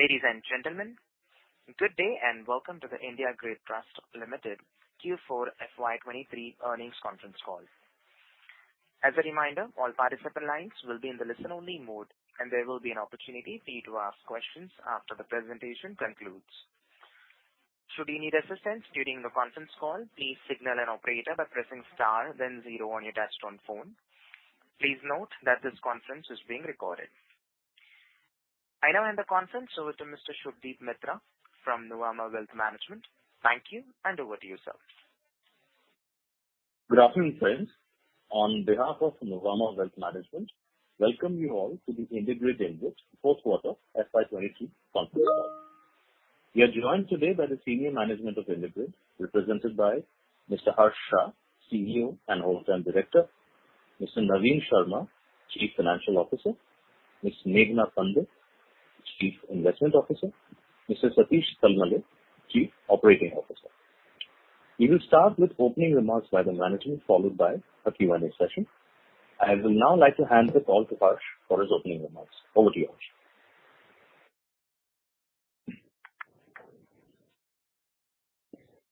Ladies and gentlemen, good day and welcome to the India Grid Trust Limited Q4 FY23 earnings conference call. As a reminder, all participant lines will be in the listen-only mode, and there will be an opportunity for you to ask questions after the presentation concludes. Should you need assistance during the conference call, please signal an operator by pressing star then zero on your touchtone phone. Please note that this conference is being recorded. I now hand the conference over to Mr. Subhadip Mitra from Nuvama Wealth Management. Thank you. Over to you, sir. Good afternoon, friends. On behalf of Nuvama Wealth Management, welcome you all to the IndiGrid InvIT fourth quarter FY 2023 conference call. We are joined today by the senior management of IndiGrid, represented by Mr. Harsh Shah, CEO and Whole-time Director. Mr. Naveen Sharma, Chief Financial Officer. Ms. Meghana Pandit, Chief Investment Officer. Mr. Satish Talmale, Chief Operating Officer. We will start with opening remarks by the management, followed by a Q&A session. I will now like to hand the call to Harsh for his opening remarks. Over to you, Harsh.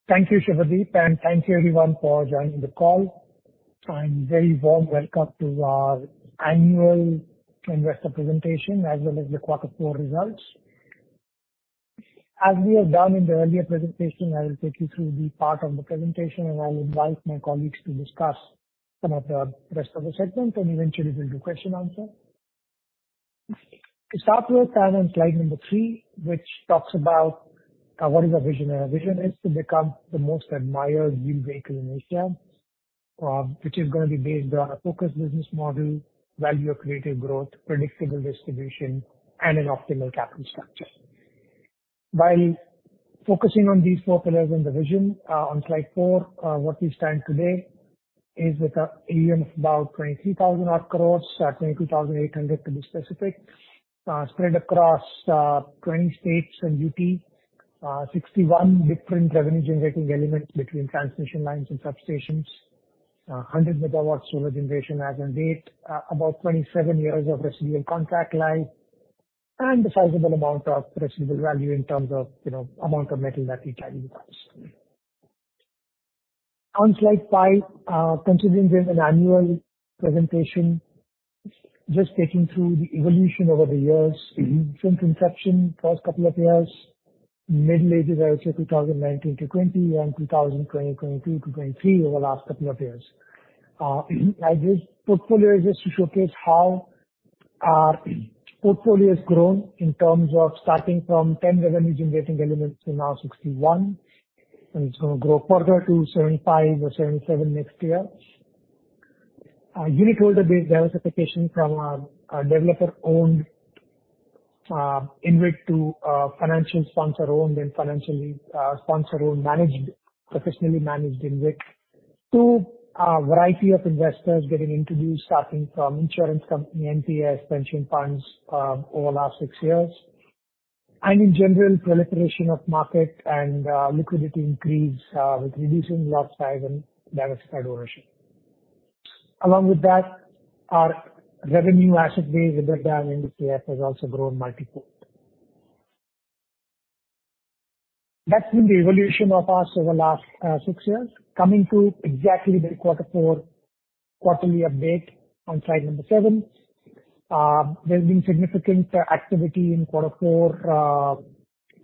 Thank you, Subhadip, and thank you everyone for joining the call. A very warm welcome to our annual investor presentation as well as the quarter four results. As we have done in the earlier presentation, I will take you through the part of the presentation, and I will invite my colleagues to discuss some of the rest of the segment and eventually we'll do question answer. To start with, I'm on Slide 3, which talks about what is our vision. Our vision is to become the most admired yield vehicle in Asia, which is gonna be based on a focused business model, value creative growth, predictable distribution, and an optimal capital structure. While focusing on these four pillars in the vision, on Slide 4 what we stand today is with AUM of about 23,000 crores, 22,800 to be specific, spread across 20 states and UT. 61 different revenue generating elements between transmission lines and substations. 100 MW solar generation as on date. About 27 years of residual contract life, and a sizable amount of receivable value in terms of, you know, amount of metal that we carry with us. On Slide 5, considering we have an annual presentation, just taking through the evolution over the years since inception, first couple of years. Middle Ages I would say 2019-20 and 2023-2023, over the last couple of years. As this portfolio is just to showcase how our portfolio has grown in terms of starting from 10 revenue generating elements to now 61, and it's gonna grow further to 75 or 77 next year. Unitholder-based diversification from a developer-owned InvIT to a financially sponsor-owned and financially sponsor-owned, professionally managed InvIT. To a variety of investors getting introduced, starting from insurance company, NPS, pension funds, over last 6 years. In general, proliferation of market and liquidity increase with reducing lot size and diversified ownership. Along with that, our revenue asset base, EBITDA, and EPS has also grown multiple. That's been the evolution of us over the last 6 years. Coming to exactly the quarter four quarterly update on Slide 7. There's been significant activity in quarter four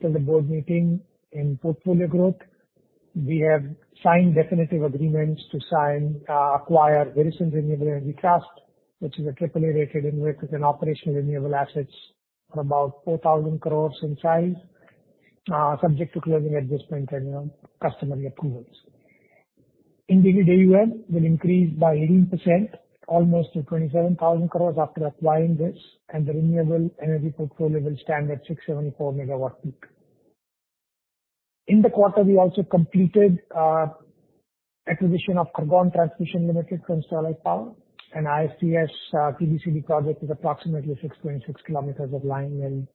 since the board meeting in portfolio growth. We have signed definitive agreements to sign, acquire Virescent Renewable Energy Trust, which is a AAA-rated InvIT with an operational renewable asset of about 4,000 crores in size, subject to closing adjustment and, you know, customary approvals. IndiGrid AUM will increase by 18% almost to 27,000 crores after applying this, and the renewable energy portfolio will stand at 674 MW peak. In the quarter we also completed acquisition of Khargone Transmission Limited from Sterlite Power, an ISTS, PTCL project with approximately 6.6 KM of line and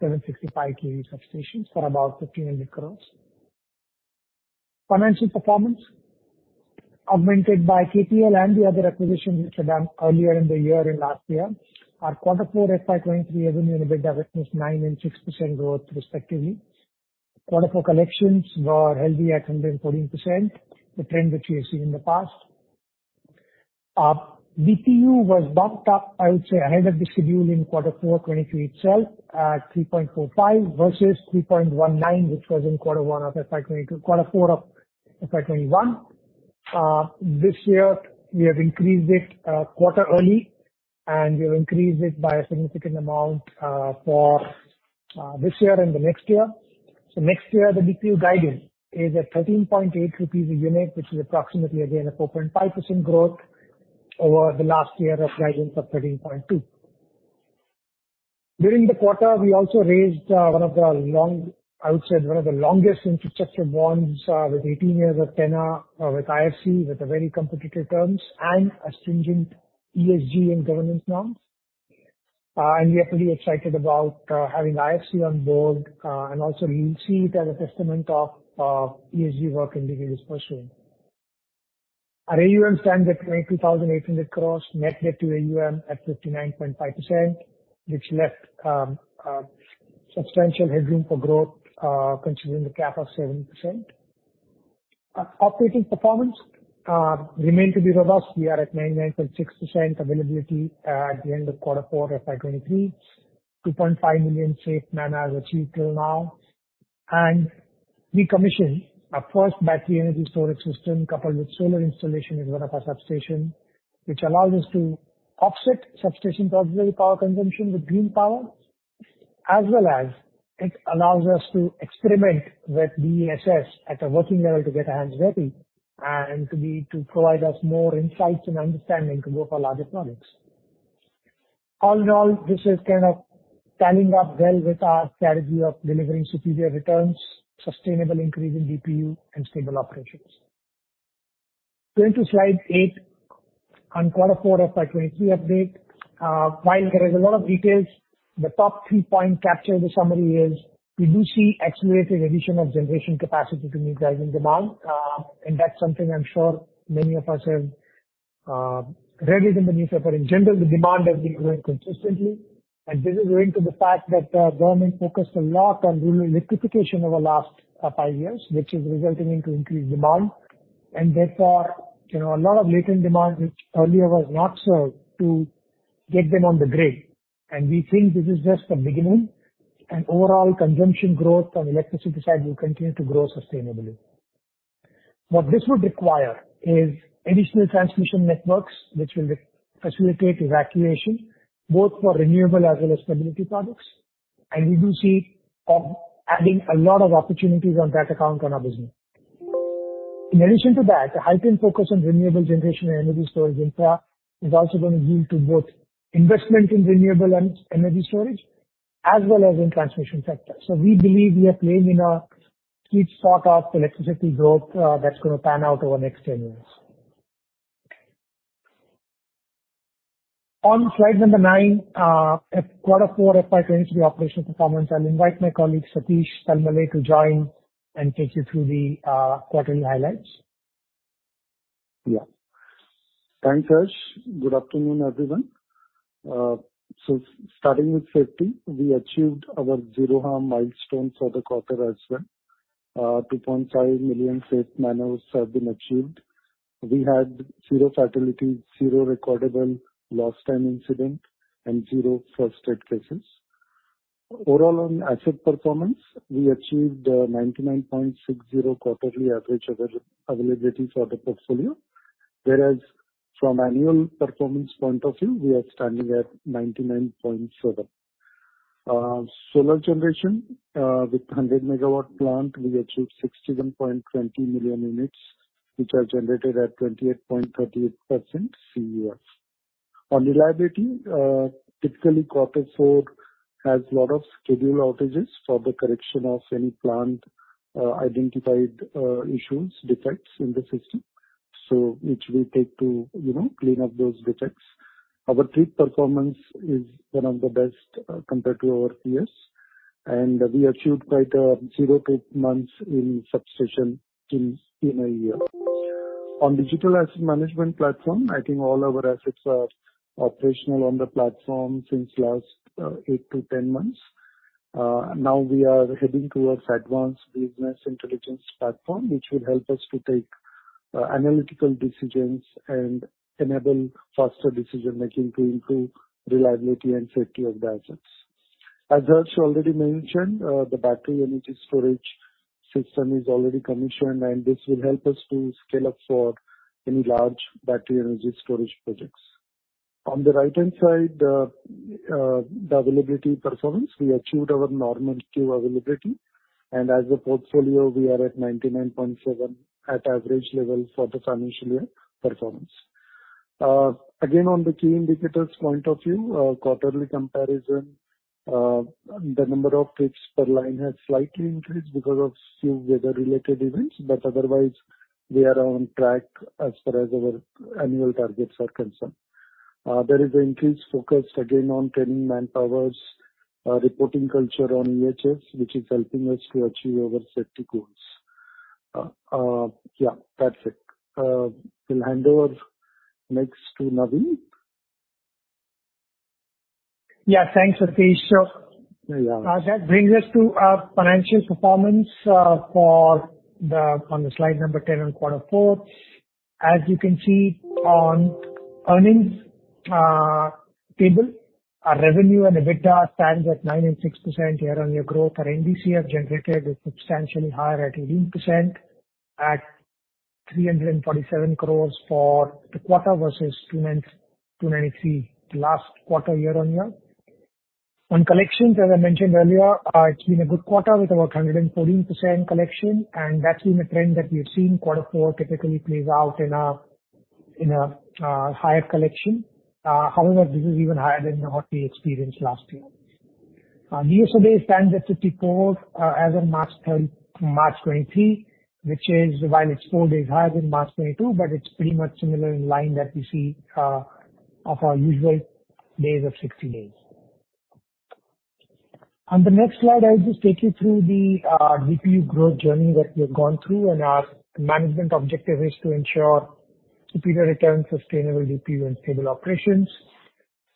765 kV substations for about 1,500 crores. Financial performance. Augmented by KTL and the other acquisitions which were done earlier in the year and last year. Our quarter four FY23 revenue and EBITDA witnessed 9% and 6% growth respectively. Q4 collections were healthy at 114%, the trend which we have seen in the past. DPU was bumped up, I would say, ahead of the schedule in quarter four 2023 itself at 3.45 versus 3.19, which was in Q4 of FY 2021. This year we have increased it, quarter early, and we have increased it by a significant amount, for this year and the next year. Next year the DPU guidance is at 13.8 rupees a unit, which is approximately again a 4.5% growth over the last year of guidance of 13.2. During the quarter we also raised, one of the longest infrastructure bonds, with 18 years of tenor, with IFC with very competitive terms and a stringent ESG and governance norms. We are pretty excited about having IFC on board, and also, we see it as a testament of ESG work IndiGrid is pursuing. Our AUM stands at 22,800 crores, net debt to AUM at 59.5%, which left substantial headroom for growth, considering the cap of 7%. Operating performance remains to be robust. We are at 99.6% availability at the end of quarter four of FY 2023. 2.5 million safe man-hours achieved till now. We commissioned our first battery energy storage system coupled with solar installation at one of our substations, which allows us to offset substation auxiliary power consumption with green power, as well as it allows us to experiment with BESS at a working level to get our hands dirty and to provide us more insights and understanding to go for large economics. All in all, this is kind of tallying up well with our strategy of delivering superior returns, sustainable increase in DPU and stable operations. Going to Slide 8 on Q4 of FY 2023 update. While there is a lot of details, the top 3 point capture the summary is we do see accelerated addition of generation capacity to meet rising demand. That's something I'm sure many of us have read in the newspaper. In general, the demand has been growing consistently, this is owing to the fact that government focused a lot on rural electrification over last five years, which is resulting into increased demand. Therefore, you know, a lot of latent demand which earlier was not served to get them on the grid. We think this is just the beginning. Overall consumption growth on electricity side will continue to grow sustainably. What this would require is additional transmission networks which will facilitate evacuation both for renewable as well as stability products. We do see adding a lot of opportunities on that account on our business. In addition to that, the heightened focus on renewable generation and energy storage infra is also going to yield to both investment in renewable and energy storage as well as in transmission sector. We believe we are playing in a sweet spot of electricity growth, that's going to pan out over next 10 years. On Slide 9, Q4 FY 2023 operational performance. I'll invite my colleague, Satish Talmale, to join and take you through the quarterly highlights. Yeah. Thanks, Harsh. Good afternoon, everyone. Starting with safety, we achieved our zero harm milestones for the quarter as well. 2.5 million safe man-hours have been achieved. We had zero fatalities, zero recordable lost time incident, and zero first aid cases. Overall, on asset performance, we achieved 99.60 quarterly average availability for the portfolio. Whereas from annual performance point of view, we are standing at 99.7. Solar generation, with 100 MW plant, we achieved 61.20 million units, which are generated at 28.38% CUF. On reliability, typically, Q4 has a lot of scheduled outages for the correction of any plant identified issues, defects in the system. Which we take to, you know, clean up those defects. Our trip performance is one of the best, compared to our peers, and we achieved quiet, zero trip months in substation in a year. On digital asset management platform, I think all our assets are operational on the platform since last, 8 to 10 months. Now we are heading towards advanced business intelligence platform, which will help us to take, analytical decisions and enable faster decision-making to improve reliability and safety of the assets. As Harsh already mentioned, the battery energy storage system is already commissioned, and this will help us to scale up for any large battery energy storage projects. On the right-hand side, the availability performance, we achieved our normal queue availability, and as a portfolio we are at 99.7 at average level for the financial year performance. Again, on the key indicators point of view, quarterly comparison, the number of trips per line has slightly increased because of few weather-related events, otherwise we are on track as far as our annual targets are concerned. There is increased focus again on training manpowers, reporting culture on EHS, which is helping us to achieve our safety goals. Yeah, that's it. I'll hand over next to Naveen. Yeah. Thanks, Satish. Yeah. That brings us to our financial performance on Slide 10 on Q4. As you can see on earnings table, our revenue and EBITDA stand at 9% and 6% year-on-year growth. Our NDCF generated is substantially higher at 18% at 347 crores for the quarter versus 293 the last quarter year-on-year. On collections, as I mentioned earlier, it's been a good quarter with about 114% collection. That's been a trend that we've seen. Q4 typically plays out in a higher collection. However, this is even higher than what we experienced last year. DSO days stands at 54 as of March 2023, which is, while it's 4 days higher than March 2022, it's pretty much similar in line that we see of our usual days of 60 days. On the next slide, I'll just take you through the DPU growth journey that we have gone through. Our management objective is to ensure superior returns, sustainable DPU and stable operations.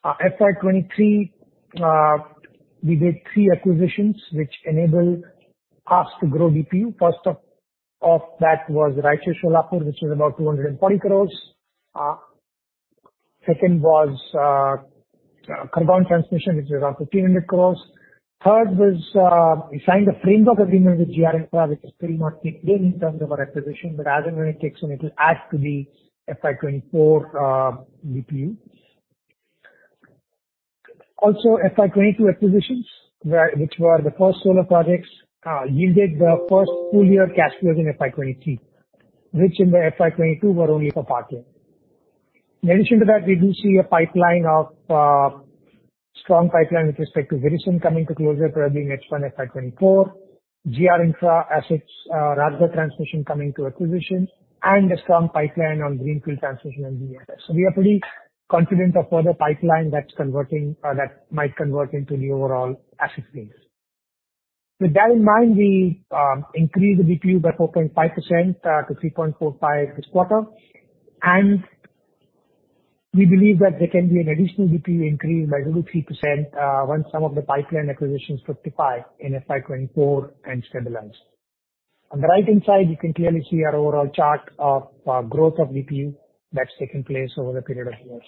FY 2023, we made 3 acquisitions which enabled us to grow DPU. First of that was Raichur Sholapur, which was about 240 crores. Second was Khargone Transmission, which was around 1,500 crores. Third was, we signed a framework agreement with GR Infra, which is pretty much kicked in terms of our acquisition. As and when it kicks in, it will add to the FY 2024 DPU. FY 2022 acquisitions, which were the first solar projects, yielded the first full year cash flows in FY 2023, which in the FY 2022 were only for partly. In addition to that, we do see a pipeline of strong pipeline with respect to Virescent coming to closure, probably in H1 FY 2024. GR Infra assets, Rajgarh Transmission coming to acquisition and a strong pipeline on greenfield transmission and GIA. We are pretty confident of further pipeline that's converting or that might convert into the overall asset base. With that in mind, we increased the DPU by 4.5% to 3.45 this quarter. We believe that there can be an additional DPU increase by 0.3% once some of the pipeline acquisitions fructify in FY 2024 and stabilize. On the right-hand side, you can clearly see our overall chart of growth of DPU that's taken place over the period of years.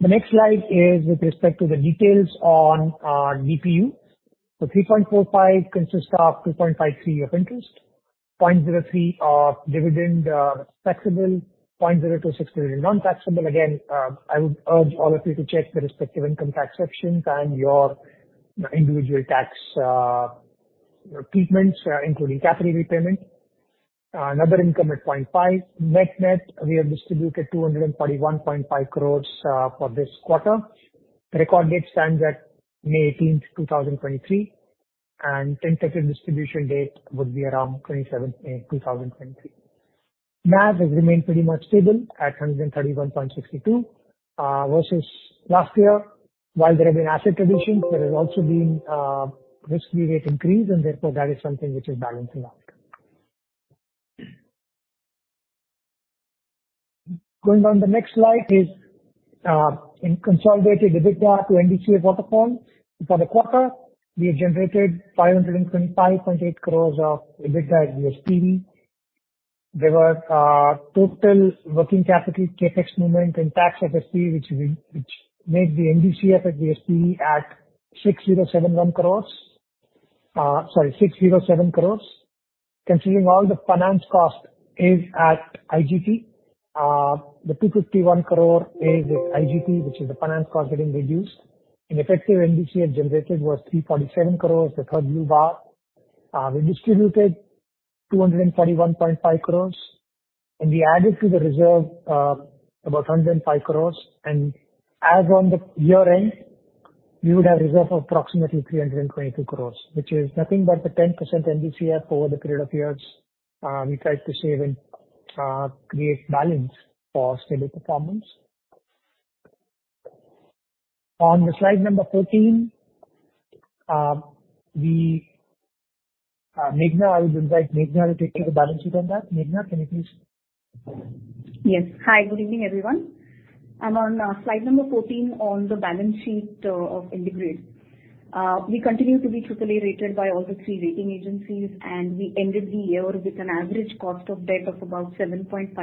The next slide is with respect to the details on our DPU. The 3.45 consists of 2.53 of interest, 0.03 of dividend, taxable, 0.026 billion nontaxable. Again, I would urge all of you to check the respective income tax sections and your individual tax treatments, including capital repayment. Another income at 0.5. Net net, we have distributed 241.5 crores for this quarter. Record date stands at May 18, 2023, tentative distribution date would be around May 27, 2023. NAV has remained pretty much stable at 131.62 versus last year. While there have been asset acquisitions, there has also been risk-free rate increase and therefore that is something which is balancing out. Going down the next slide is in consolidated EBITDA to NDCF waterfall. For the quarter, we have generated 525.8 crores of EBITDA at GSPV. There were total working capital CapEx movement and tax FSP, which made the NDCF at GSPV at 6,071 crores. sorry, 607 crores. Considering all the finance cost is at IGP. The 251 crore is IGP, which is the finance cost getting reduced. Effective NDCF generated was 347 crores, the third blue bar. We distributed 241.5 crores, and we added to the reserve about 105 crores. As on the year-end, we would have reserve of approximately 322 crores, which is nothing but the 10% NDCF over the period of years, we try to save and create balance for stable performance. On the Slide 14, Meghana, I will invite Meghana to take you through the balance sheet on that. Meghana, can you please? Yes. Hi. Good evening, everyone. I'm on Slide 14 on the balance sheet of IndiGrid. We continue to be AAA rated by all the three rating agencies, and we ended the year with an average cost of debt of about 7.53%,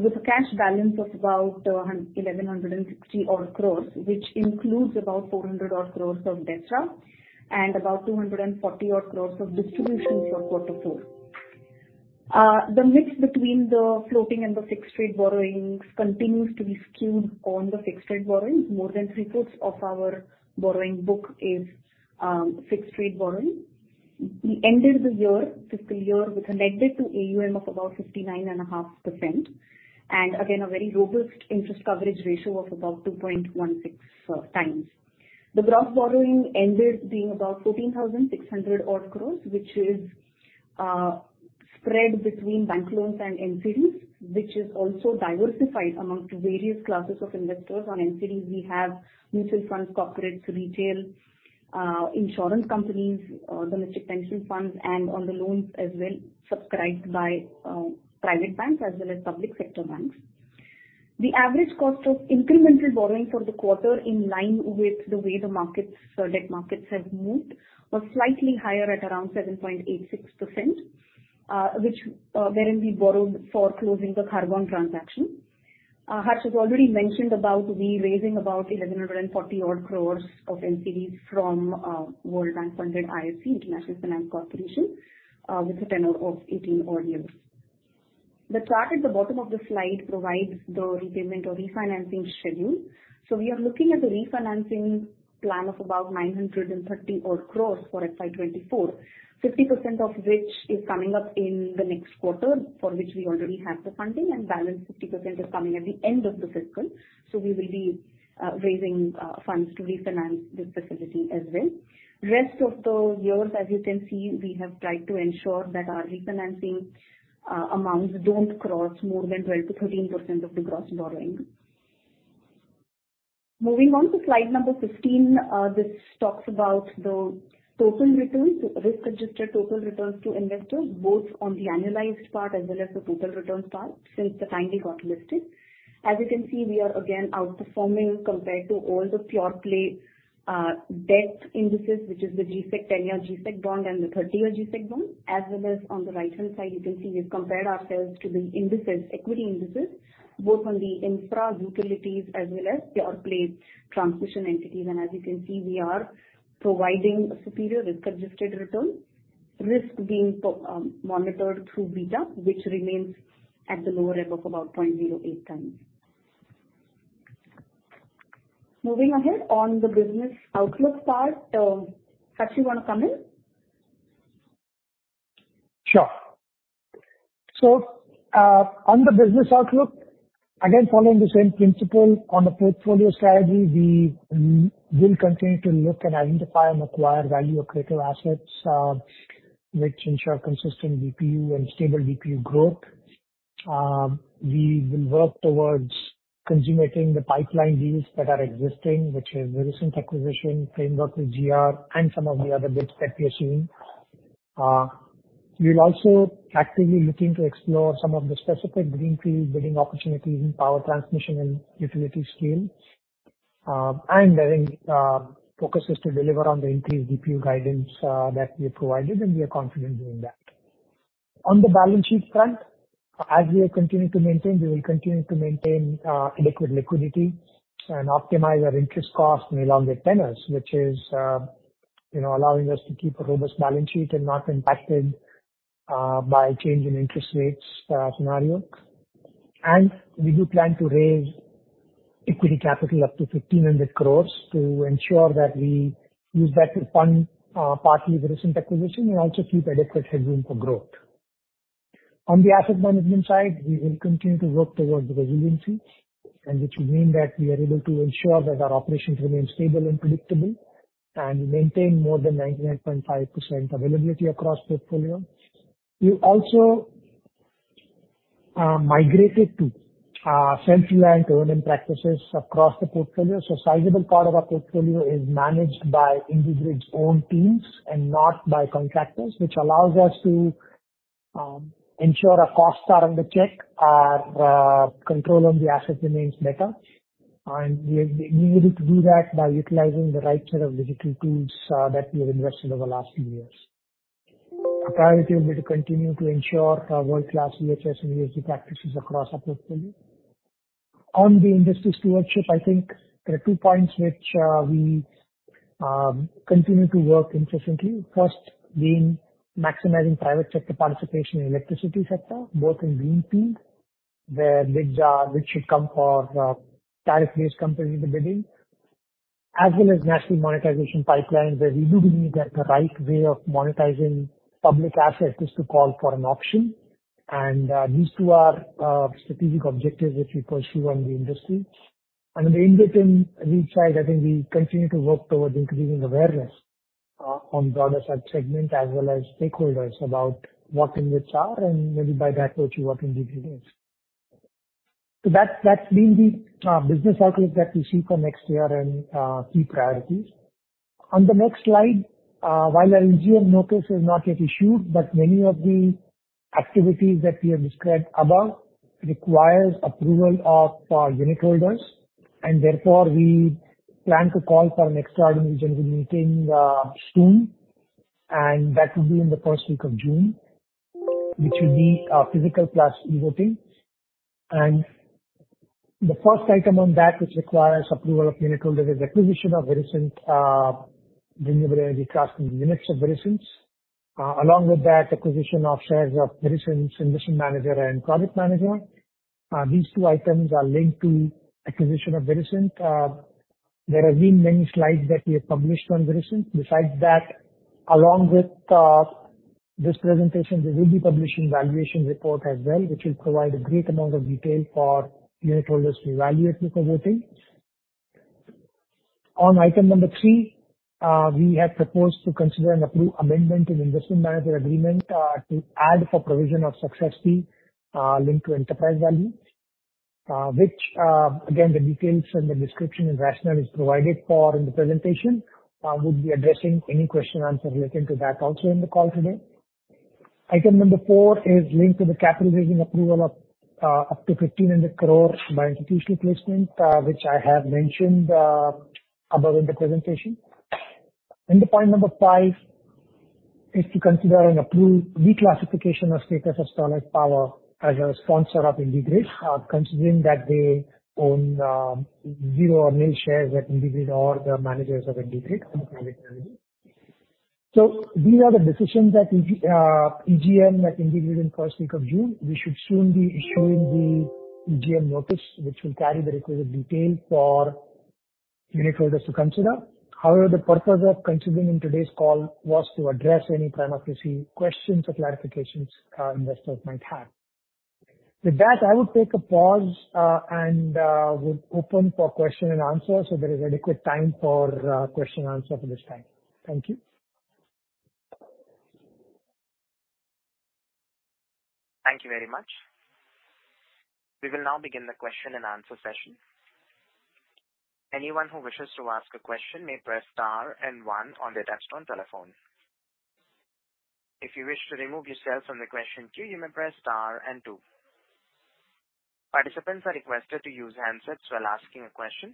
with a cash balance of about 1,160 odd crores, which includes about 400 odd crores of escrow and about 240 odd crores of distributions for Q4. The mix between the floating and the fixed rate borrowings continues to be skewed on the fixed rate borrowings. More than three-quarters of our borrowing book is fixed rate borrowing. We ended the year, fiscal year, with a net debt to AUM of about 59.5%. Again, a very robust interest coverage ratio of about 2.16 times. The gross borrowing ended being about 14,600 odd crores, which is spread between bank loans and NCDs, which is also diversified amongst various classes of investors. On NCDs we have mutual funds, corporates, retail, insurance companies, domestic pension funds, and on the loans as well subscribed by private banks as well as public sector banks. The average cost of incremental borrowing for the quarter, in line with the way the markets, debt markets have moved, was slightly higher at around 7.86%, which wherein we borrowed for closing the Khargone transaction. Harsh has already mentioned about we raising about 1,140 odd crores of NCD from World Bank funded IFC, International Finance Corporation, with a tenure of 18 odd years. The chart at the bottom of the slide provides the repayment or refinancing schedule. We are looking at a refinancing plan of about 930 odd crores for FY 2024, 50% of which is coming up in the next quarter, for which we already have the funding. Balance 50% is coming at the end of the fiscal. We will be raising funds to refinance this facility as well. Rest of the years, as you can see, we have tried to ensure that our refinancing amounts don't cross more than 12%-13% of the gross borrowing. Moving on to slide 15. This talks about the total returns, risk adjusted total returns to investors, both on the annualized part as well as the total return part since the time we got listed. As you can see, we are again outperforming compared to all the pure-play, debt indices, which is the G-Sec 10-year G-Sec bond and the 30-year G-Sec bond. As well as on the right-hand side, you can see we've compared ourselves to the indices, equity indices, both on the infra utilities as well as pure-play transmission entities. As you can see, we are providing a superior risk-adjusted return. Risk being monitored through beta, which remains at the lower end of about 0.08 times. Moving ahead on the business outlook part, Harsh, you wanna come in? Sure. On the business outlook, again, following the same principle on the portfolio strategy. We will continue to look and identify and acquire value-accretive assets, which ensure consistent DPU and stable DPU growth. We will work towards consummating the pipeline deals that are existing, which is Virescent acquisition, framework with GR and some of the other bids that we are seeing. We're also actively looking to explore some of the specific greenfield bidding opportunities in power transmission and utility scale. Focus is to deliver on the increased DPU guidance, that we have provided, and we are confident doing that. On the balance sheet front, as we have continued to maintain, we will continue to maintain adequate liquidity and optimize our interest costs in longer tenors, which is, you know, allowing us to keep a robust balance sheet and not impacted by change in interest rates scenario. We do plan to raise equity capital up to 1,500 crore to ensure that we use that to fund partly the recent acquisition and also keep adequate headroom for growth. On the asset management side, we will continue to work towards resiliency, and which will mean that we are able to ensure that our operations remain stable and predictable, and we maintain more than 99.5% availability across portfolio. We also migrated to central and owned practices across the portfolio. Sizable part of our portfolio is managed by IndiGrid's own teams and not by contractors, which allows us to ensure our costs are under check. Our control on the asset remains better. We have been able to do that by utilizing the right set of digital tools that we have invested over the last few years. Priority will be to continue to ensure our world-class EHS and ESG practices across our portfolio. On the industry stewardship, I think there are two points which we continue to work intrinsically. First being maximizing private sector participation in electricity sector, both in greenfield, where which should come for tariff-based companies in the bidding. As well as National Monetization Pipeline, where we do believe that the right way of monetizing public assets is to call for an auction. These two are strategic objectives which we pursue on the industry. In the interim, we try, I think we continue to work towards increasing awareness on broader side segment as well as stakeholders about what IndiGrid are and maybe by that approach what IndiGrid is. That, that's been the business outlook that we see for next year and key priorities. On the next slide, while our EGM notice is not yet issued, but many of the activities that we have described above requires approval of our unitholders. Therefore, we plan to call for an extraordinary general meeting soon. That will be in the first week of June, which will be physical plus e-voting. The first item on that which requires approval of unitholder is acquisition of Virescent renewable energy capacity in units of Virescent. Along with that, acquisition of shares of Virescent's investment manager and project manager. These two items are linked to acquisition of Virescent. There have been many slides that we have published on Virescent. Besides that, along with this presentation, we will be publishing valuation report as well, which will provide a great amount of detail for unitholders to evaluate the proposal. On item number 3, we have proposed to consider and approve amendment in investment manager agreement, to add for provision of success fee, linked to enterprise value. Which, again, the details and the description and rationale is provided for in the presentation. We'll be addressing any question and answer relating to that also in the call today. Item number four is linked to the capital raising approval of up to 1,500 crores by institutional placement, which I have mentioned above in the presentation. The point number 5 is to consider and approve declassification of Sterlite Power as a sponsor of IndiGrid, considering that they own zero or nil shares at IndiGrid or the managers of IndiGrid from private equity. These are the decisions that will be EGM at IndiGrid in first week of June. We should soon be issuing the EGM notice, which will carry the required detail for unitholders to consider. However, the purpose of considering in today's call was to address any primacy questions or clarifications investors might have. With that, I would take a pause, and we'll open for question and answer so there is adequate time for question and answer for this time. Thank you. Thank you very much. We will now begin the question-and-answer session. Anyone who wishes to ask a question may press star 1 on their touchtone telephone. If you wish to remove yourself from the question queue, you may press star 2. Participants are requested to use handsets while asking a question.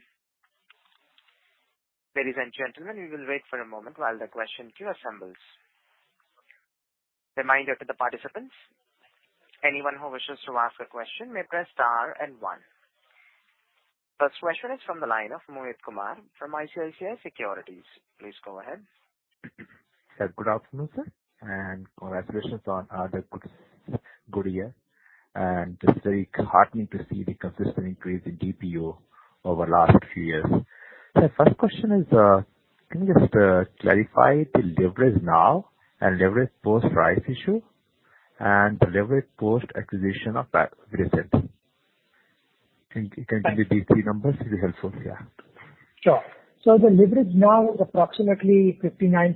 Ladies and gentlemen, we will wait for a moment while the question queue assembles. Reminder to the participants, anyone who wishes to ask a question may press star 1. First question is from the line of Mohit Kumar from ICICI Securities. Please go ahead. Good afternoon, sir, and congratulations on the good year. It's very heartening to see the consistent increase in DPU over last few years. First question is, can you just clarify the leverage now and leverage post rights issue and leverage post-acquisition of Virescent? Can you give these 3 numbers? It'll be helpful. Yeah. Sure. The leverage now is approximately 59.5%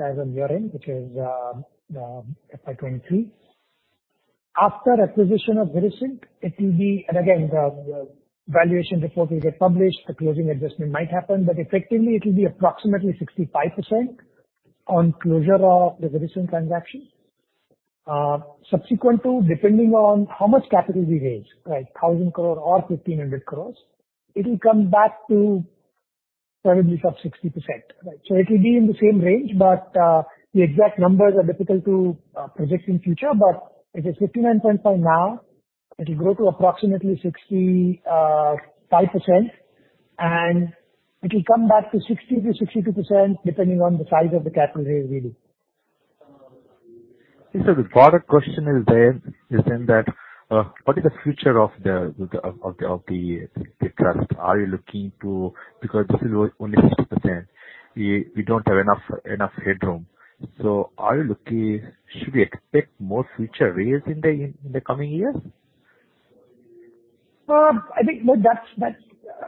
as on year-end, which is FY23. After acquisition of Virescent, it will be. The valuation report will get published. A closing adjustment might happen, but effectively it'll be approximately 65% on closure of the Virescent transaction. Subsequent to, depending on how much capital we raise, right, 1,000 crore or 1,500 crore, it'll come back to probably sub 60%, right? It'll be in the same range. The exact numbers are difficult to project in future. It is 59.5% now. It'll grow to approximately 65%, and it'll come back to 60%-62%, depending on the size of the capital raise we do. Yes, sir. The follow-up question is then that, what is the future of the trust? Are you looking to... Because this is only 60%. We don't have enough headroom. Should we expect more future raise in the coming years? I think that's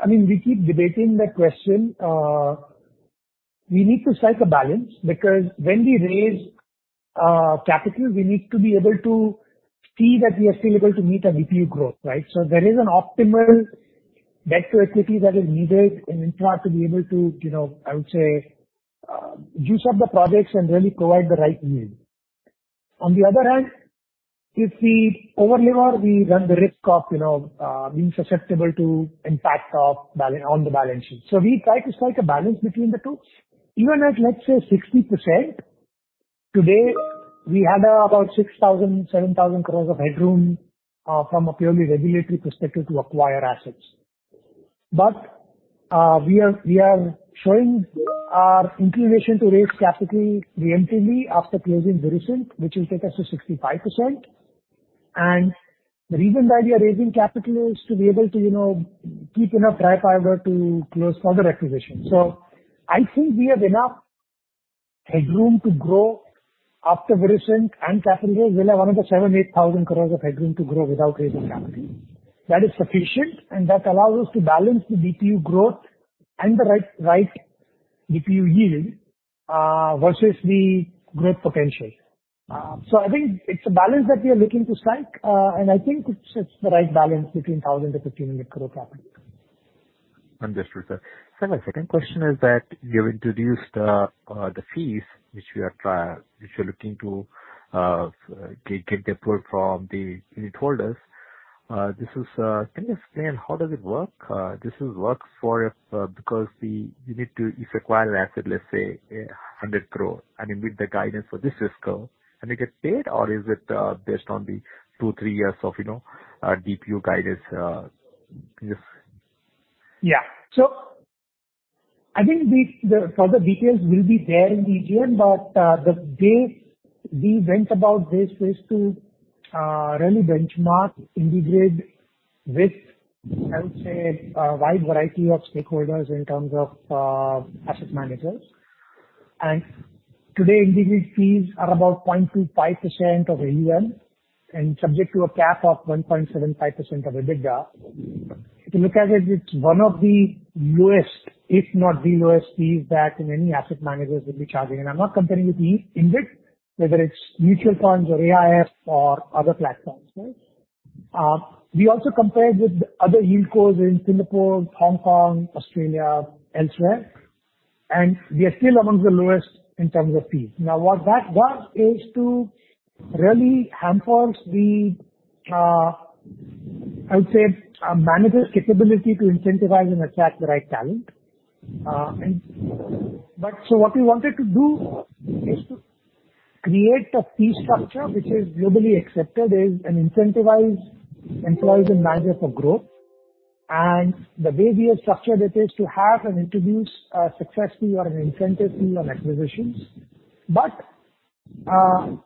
I mean, we keep debating that question. We need to strike a balance because when we raise capital, we need to be able to see that we are still able to meet our DPU growth, right? There is an optimal debt to equity that is needed in Infra to be able to, you know, I would say, juice up the projects and really provide the right yield. On the other hand, if we over-leverage, we run the risk of, you know, being susceptible to impact on the balance sheet. We try to strike a balance between the two. Even at, let's say, 60%, today we have about 6,000-7,000 crores of headroom from a purely regulatory perspective to acquire assets. We are showing our inclination to raise capital preemptively after closing Virescent, which will take us to 65%. The reason why we are raising capital is to be able to, you know, keep enough dry powder to close further acquisitions. I think we have enough headroom to grow after Virescent and capital raise. We'll have another 7,000-8,000 crores of headroom to grow without raising capital. That is sufficient, and that allows us to balance the DPU growth and the right DPU yield versus the growth potential. I think it's a balance that we are looking to strike. I think it's the right balance between 1,000-1,500 crore capital. Understood, sir. Sir, my second question is that you've introduced the fees which you're looking to get deployed from the unitholders. This is... Can you explain how does it work? This is work for, because you need to... If you acquire an asset, let's say 100 crore, I mean, with the guidance for this risk co, and they get paid, or is it based on the 2, 3 years of, you know, DPU guidance? Yes. I think the further details will be there in the AGM. The way we went about this was to really benchmark InvIT with, I would say, a wide variety of stakeholders in terms of asset managers. Today InvIT fees are about 0.25% of AUM and subject to a cap of 1.75% of EBITDA. If you look at it's one of the lowest, if not the lowest fees that many asset managers will be charging. I'm not comparing with InvIT, whether it's mutual funds or AIF or other platforms, right? We also compared with other yieldcos in Singapore, Hong Kong, Australia, elsewhere, and we are still amongst the lowest in terms of fees. What that does is to really hampers the, I would say, a manager's capability to incentivize and attract the right talent. What we wanted to do is to create a fee structure which is globally accepted as and incentivize employees and managers for growth. The way we have structured it is to have and introduce a success fee or an incentive fee on acquisitions, able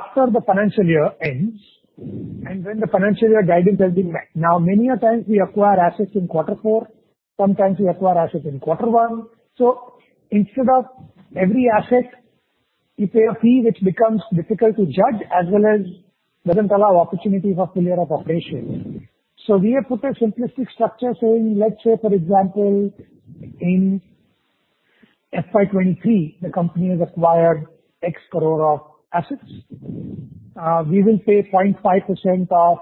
after the financial year ends and when the financial year guidance has been met. Many a times we acquire assets in quarter 4, sometimes we acquire assets in Q1. Instead of every asset, you pay a fee which becomes difficult to judge as well as doesn't allow opportunity for failure of operation. We have put a simplistic structure saying, let's say for example, in FY23, the company has acquired INR X crore of assets. We will pay 0.5% of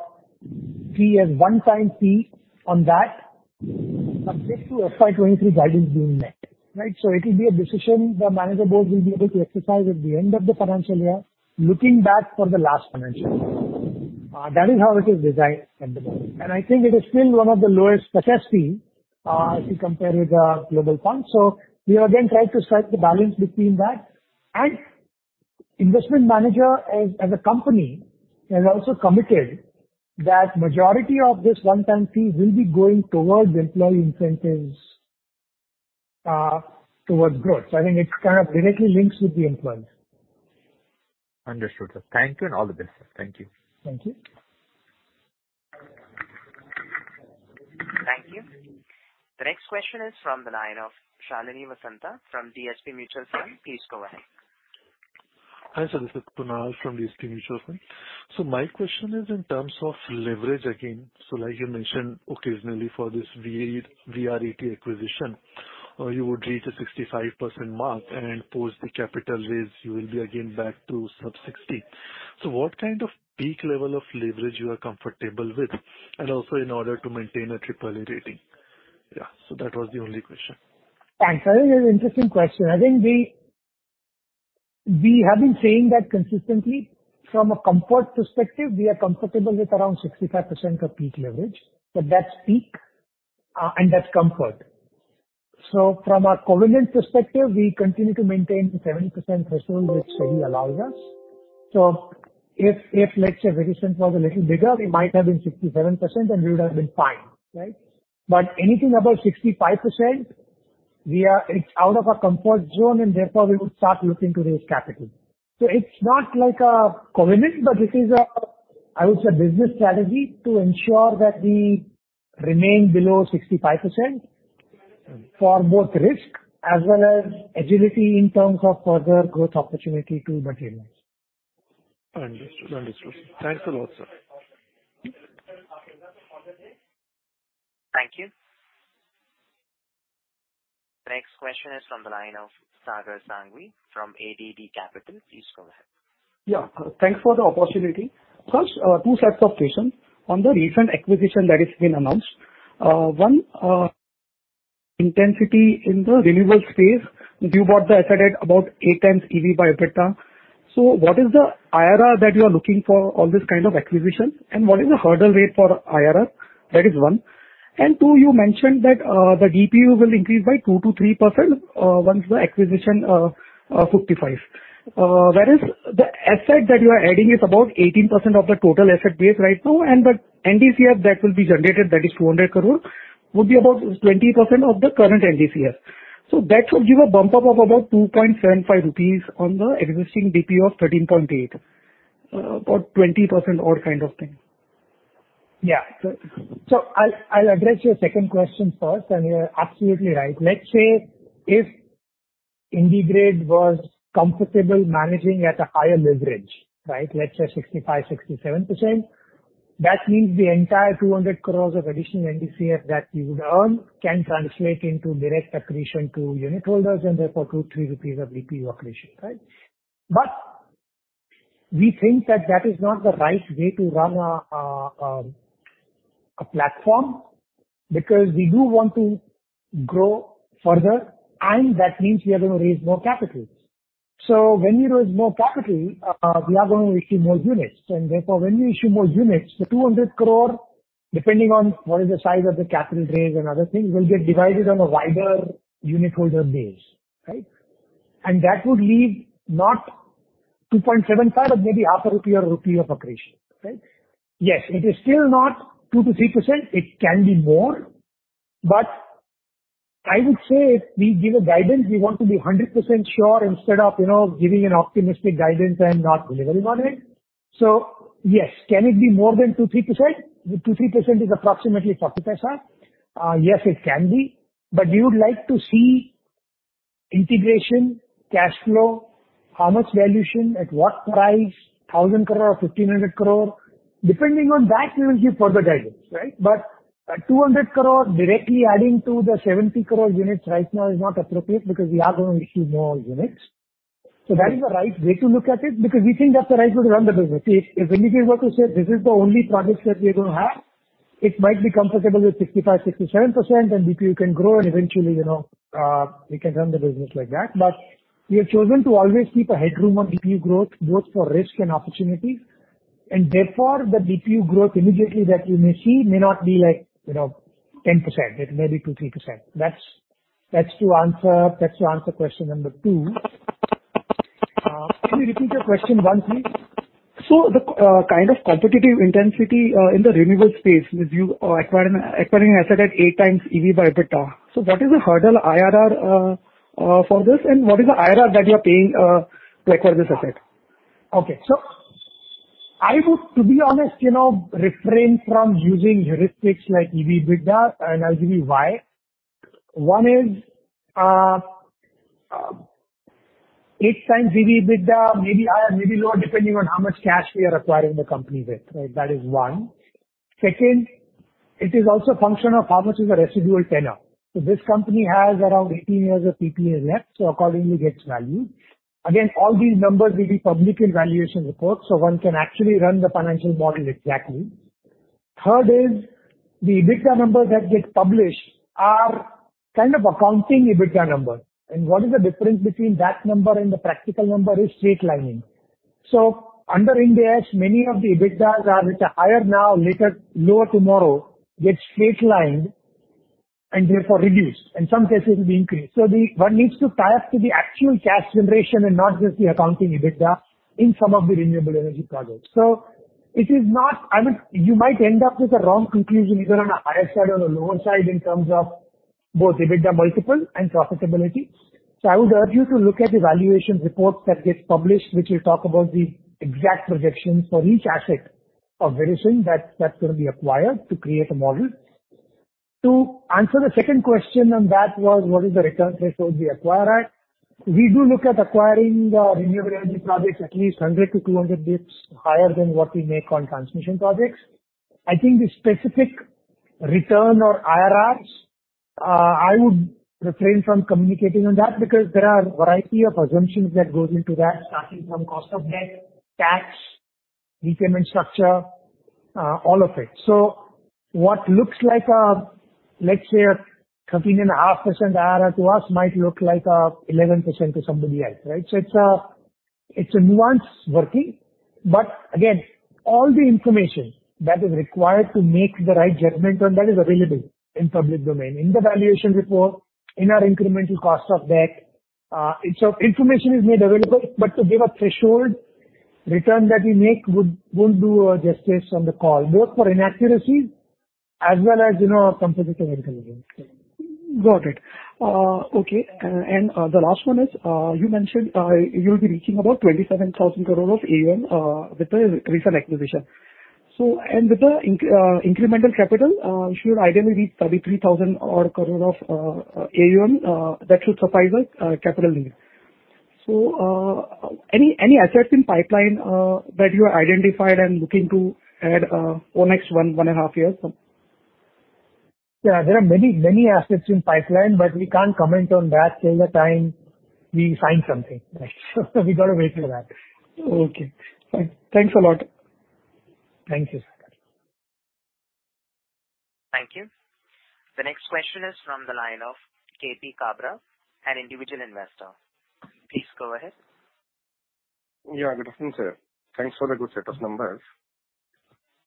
fee as one-time fee on that, subject to FY23 guidance being met, right? It will be a decision the manager board will be able to exercise at the end of the financial year, looking back for the last financial year. That is how it is designed from the beginning. I think it is still one of the lowest success fees, if you compare with the global funds. We have again tried to strike the balance between that and investment manager as a company has also committed that majority of this one-time fee will be going towards employee incentives, towards growth. I think it's kind of directly linked with the employees. Understood, sir. Thank you and all the best, sir. Thank you. Thank you. Thank you. The next question is from the line of Shalini Vasanth from DSP Mutual Fund. Please go ahead. Hi, Suresh. It's Kunal from DSP Mutual Fund. My question is in terms of leverage again. Like you mentioned occasionally for this VREIT acquisition, you would reach a 65% mark and post the capital raise you will be again back to sub-60. What kind of peak level of leverage you are comfortable with and also in order to maintain a AAA rating? Yeah. That was the only question. Thanks. I think it's an interesting question. I think we have been saying that consistently. From a comfort perspective, we are comfortable with around 65% of peak leverage, but that's peak and that's comfort. From a covenant perspective, we continue to maintain the 70% threshold which SEBI allows us. If let's say resistance was a little bigger, we might have been 67% and we would have been fine, right? Anything above 65% it's out of our comfort zone and therefore we would start looking to raise capital. It's not like a covenant, but it is a, I would say, business strategy to ensure that we remain below 65% for both risk as well as agility in terms of further growth opportunity to materialize. Understood. Understood, sir. Thanks a lot, sir. Thank you. The next question is from the line of Sagar Sanghi from Ambit Capital. Please go ahead. Thanks for the opportunity. First, two sets of questions. On the recent acquisition that has been announced, one, intensity in the renewable space, you bought the asset at about 8x EV/EBITDA. What is the IRR that you are looking for on this kind of acquisition and what is the hurdle rate for IRR? That is one. Two, you mentioned that the DPU will increase by 2%-3%, once the acquisition fructifies. Whereas the asset that you are adding is about 18% of the total asset base right now, and the NDCF that will be generated, that is 200 crore, would be about 20% of the current NDCF. That should give a bump up of about 2.75 rupees on the existing DPU of 13.8. about 20% or kind of thing. Yeah. I'll address your second question first, and you're absolutely right. Let's say if IndiGrid was comfortable managing at a higher leverage, right? Let's say 65%-67%. That means the entire 200 crore of additional NDCF that you would earn can translate into direct accretion to unit holders and therefore 2-3 rupees DPU accretion, right? we think that that is not the right way to run a platform because we do want to grow further, and that means we are going to raise more capital. when we raise more capital, we are going to issue more units, and therefore when we issue more units, the 200 crore, depending on what is the size of the capital raise and other things, will get divided on a wider unit holder base, right? That would leave not 2.75 but maybe half a rupee or INR 1 of accretion, right? It is still not 2%-3%. It can be more. I would say if we gave a guidance, we want to be 100% sure instead of, you know, giving an optimistic guidance and not delivering on it. Can it be more than 2%, 3%? 2%, 3% is approximately 40 paisa. Yes, it can be. We would like to see integration, cash flow, how much valuation, at what price, 1,000 crore or 1,500 crore. Depending on that we will give further guidance, right? A 200 crore directly adding to the 70 crore units right now is not appropriate because we are going to issue more units. That is the right way to look at it, because we think that's the right way to run the business. See, if IndiGrid were to say this is the only product that we're gonna have, it might be comfortable with 65, 67% and DPU can grow and eventually, you know, we can run the business like that. We have chosen to always keep a headroom on DPU growth, both for risk and opportunity, and therefore the DPU growth immediately that you may see may not be like, you know, 10%. It may be 2, 3%. That's to answer question number 2. Can you repeat your question 1, please? The kind of competitive intensity, in the renewable space with you, acquiring an asset at 8x EV/EBITDA. What is the hurdle IRR, for this, and what is the IRR that you are paying, to acquire this asset? Okay. I would, to be honest, you know, refrain from using heuristics like EV/EBITDA, and I'll give you why. One is 8x EV/EBITDA, maybe higher, maybe lower, depending on how much cash we are acquiring the company with, right? That is 1. Second, it is also a function of how much is the residual tenor. This company has around 18 years of PPA left, so accordingly gets valued. Again, all these numbers will be public in valuation report, so one can actually run the financial model exactly. Third is the EBITDA numbers that get published are kind of accounting EBITDA numbers. What is the difference between that number and the practical number is straight lining. Under Ind AS, many of the EBITDAs are which are higher now, later lower tomorrow, get straight lined and therefore reduced. In some cases, it will be increased. One needs to tie up to the actual cash generation and not just the accounting EBITDA in some of the renewable energy projects. It is not. You might end up with a wrong conclusion, either on a higher side or a lower side in terms of both EBITDA multiple and profitability. I would urge you to look at the valuation reports that get published, which will talk about the exact projections for each asset of Virescent that will be acquired to create a model. To answer the second question on that was what the return threshold is we acquire at. We do look at acquiring the renewable energy projects at least 100 to 200 basis points higher than what we make on transmission projects. I think the specific return or IRRs, I would refrain from communicating on that because there are a variety of assumptions that goes into that, starting from cost of debt, tax, repayment structure, all of it. What looks like a, let's say, a 13.5% IRR to us might look like 11% to somebody else, right? It's a nuance working. Again, all the information that is required to make the right judgment on that is available in public domain, in the valuation report, in our incremental cost of debt. Information is made available. To give a threshold return that we make won't do a justice on the call, both for inaccuracies as well as, you know, competitive intelligence. Got it. Okay. The last one is, you mentioned, you'll be reaching about 27,000 crore of AUM, with the recent acquisition. With the incremental capital, you should ideally reach 33,000 odd crore of AUM, that should suffice us, capital need. Any, any assets in pipeline, that you have identified and looking to add, over next 1 and a half years? There are many, many assets in pipeline, but we can't comment on that till the time we sign something. We gotta wait for that. Okay. Thanks a lot. Thank you, sir. Thank you. The next question is from the line of K.P. Kabra, an individual investor. Please go ahead. Yeah, good afternoon, sir. Thanks for the good set of numbers.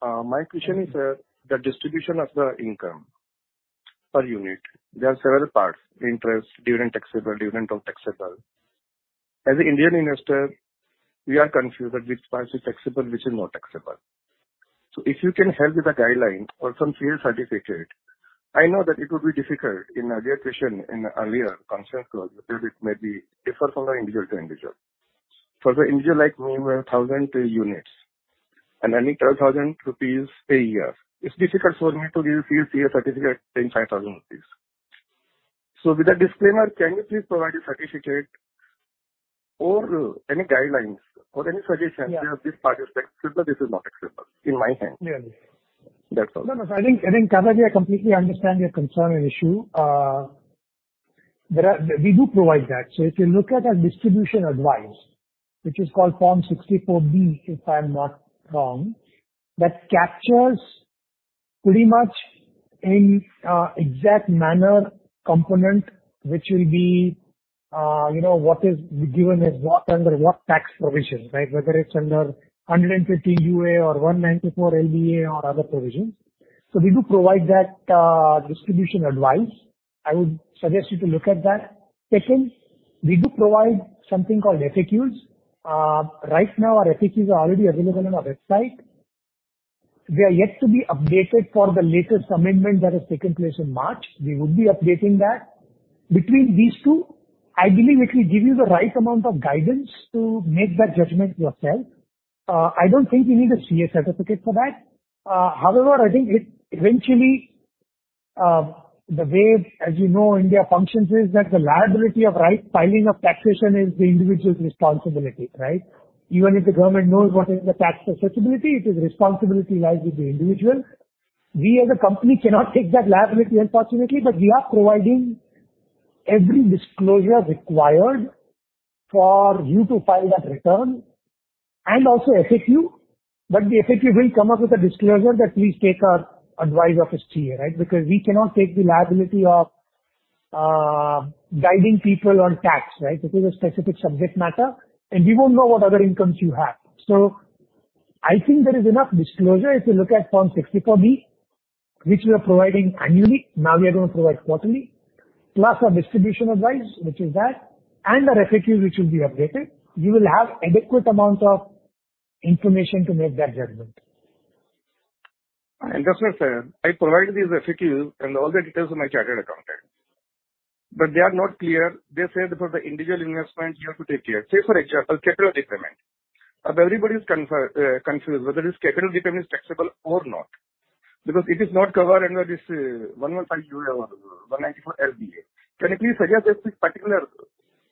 My question is the distribution of the income per unit. There are several parts, interest, dividend taxable, dividend of taxable. As an Indian investor, we are confused which parts is taxable, which is not taxable. If you can help with the guideline or some CA certificate. I know that it will be difficult in a taxation in a year concerned because it may be different from individual to individual. For the individual like me, where 1,000 units and earning 12,000 rupees a year, it's difficult for me to give CA certificate paying 5,000 rupees. With a disclaimer, can you please provide a certificate or any guidelines or any suggestions. Yeah. saying this part is taxable, this is not taxable in my hand. Clearly. That's all. No. I think, Kabra, I completely understand your concern and issue. We do provide that. If you look at our distribution advice, which is called Form 64B, if I'm not wrong, that captures pretty much in exact manner component, which will be, you know, what is given as what under what tax provision? Whether it's under 150 UA or 194 LBA or other provisions. We do provide that distribution advice. I would suggest you to look at that. Second, we do provide something called FAQs. Right now, our FAQs are already available on our website. They are yet to be updated for the latest amendment that has taken place in March. We would be updating that. Between these two, I believe it will give you the right amount of guidance to make that judgment yourself. I don't think you need a CA certificate for that. However, I think it eventually, the way, as you know, India functions is that the liability of right filing of taxation is the individual's responsibility, right. Even if the government knows what the tax accessibility is, it is responsibility lies with the individual. We as a company cannot take that liability, unfortunately, but we are providing every disclosure required for you to file that return and also FAQ. The FAQ will come up with a disclosure that please take our advice of a CA, right. Because we cannot take the liability of guiding people on tax, right. This is a specific subject matter, and we won't know what other incomes you have. I think there is enough disclosure. If you look at Form 64B, which we are providing annually, now we are going to provide quarterly, plus our distribution advice, which is that, and our FAQ which will be updated. You will have adequate amount of information to make that judgment. That's not fair. I provide these FAQs and all the details to my chartered accountant; they are not clear. They said for the individual investment, you have to take care. Say, for example, capital requirement. Everybody's confused whether this capital repayment is taxable or not. It is not covered under this 115 U or 194 LBA. Can you please suggest this particular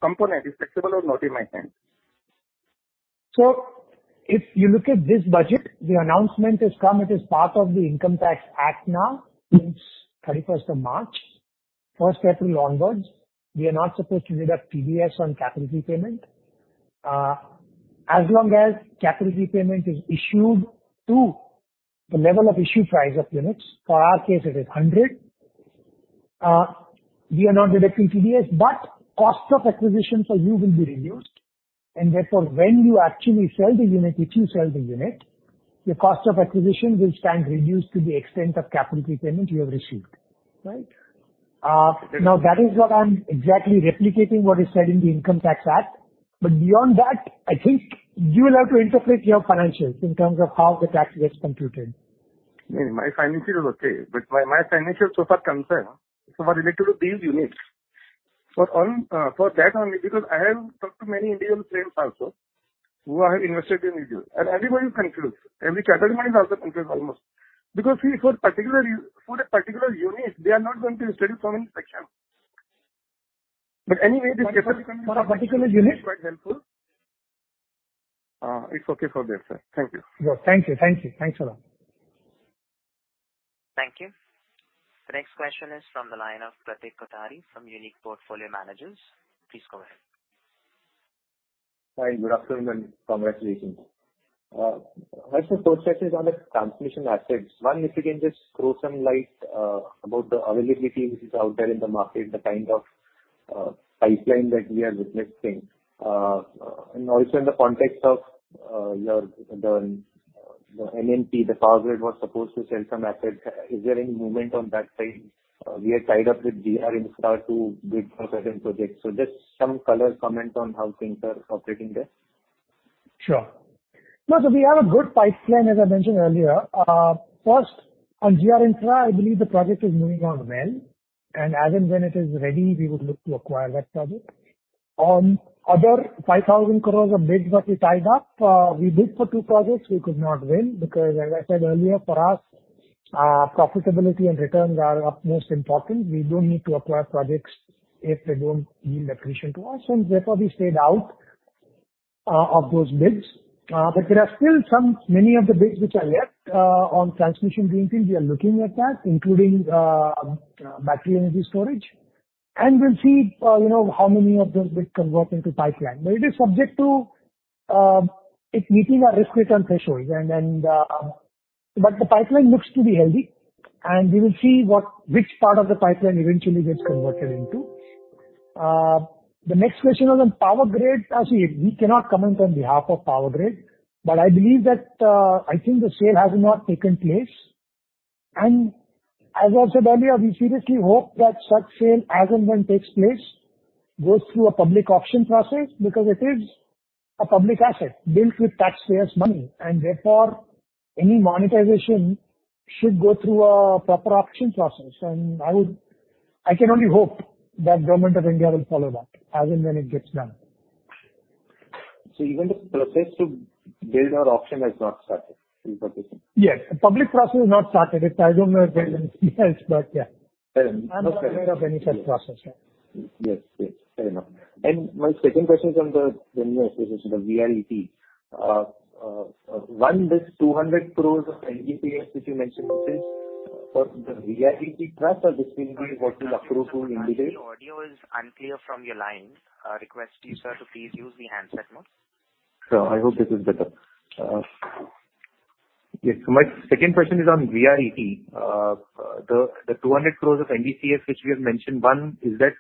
component is taxable or not in my hand? If you look at this budget, the announcement has come. It is part of the Income Tax Act now. Since 31 March, 1 April onwards, we are not supposed to deduct TDS on capital repayment. As long as capital repayment is issued to the level of issue price of units. For our case, it is 100. We are not deducting TDS, but cost of acquisition for you will be reduced. Therefore, when you actually sell the unit, if you sell the unit, your cost of acquisition will stand reduced to the extent of capital repayment you have received. Right? Yes, sir. now that is what I'm exactly replicating what is said in the Income Tax Act. Beyond that, I think you will have to interpret your financials in terms of how the tax gets computed. My finances is okay. My financials so far concerned, so were related to these units. For that only because I have talked to many Indian friends also who have invested in India, and everybody is confused. Every category is also confused, almost. See, for particular for a particular unit, they are not going to be studied from any section. Anyway, this. For a particular unit. Is quite helpful. It's okay for there, sir. Thank you. Thank you. Thank you. Thanks a lot. Thank you. The next question is from the line of Pratik Kothari from Unique Portfolio Managers. Please go ahead. Hi, good afternoon, and congratulations. First, the first question is on the transmission assets. One, if you can just throw some light about the availability which is out there in the market, the kind of pipeline that we are witnessing. And also, in the context of the NMP, the Power Grid was supposed to sell some assets. Is there any movement on that side? We are tied up with GR Infraprojects to bid for certain projects. Just some color comment on how things are operating there. Sure. No, we have a good pipeline, as I mentioned earlier. First, on GR Infra, I believe the project is moving on well, and as and when it is ready, we would look to acquire that project. On other 5,000 crores of bids that we tied up, we bid for two projects. We could not win because as I said earlier, for us, profitability and returns are of most important. We don't need to acquire projects if they don't yield accretion to us. Therefore, we stayed out of those bids. There are still some, many of the bids which are left on transmission greenfield. We are looking at that, including battery energy storage. We'll see, you know, how many of those bids convert into pipeline. It is subject to it meeting our risk return thresholds. The pipeline looks to be healthy, and we will see which part of the pipeline eventually gets converted into. The next question was on Power Grid. See, we cannot comment on behalf of Power Grid, but I believe that I think the sale has not taken place. As I said earlier, we seriously hope that such sale, as and when takes place, goes through a public auction process because it is a public asset built with taxpayers' money, and therefore any monetization should go through a proper auction process. I can only hope that Government of India will follow that as and when it gets done. Even the process to build our auction has not started in the system? Yes. Public process has not started. I don't know if it has been but yeah. Fair enough. I'm not aware of any such process, yeah. Yes, yes. Fair enough. My second question is on the renewable association, the VRE. One, this 200 crores of NCDs which you mentioned, is this for the VRE trust or this will be what will accrue to IndiGrid? Sir, your audio is unclear from your line. Request you, sir, to please use the handset mode. Sure. I hope this is better. Yes. My second question is on VRE. The 200 crores of NCDs which we have mentioned, one, is that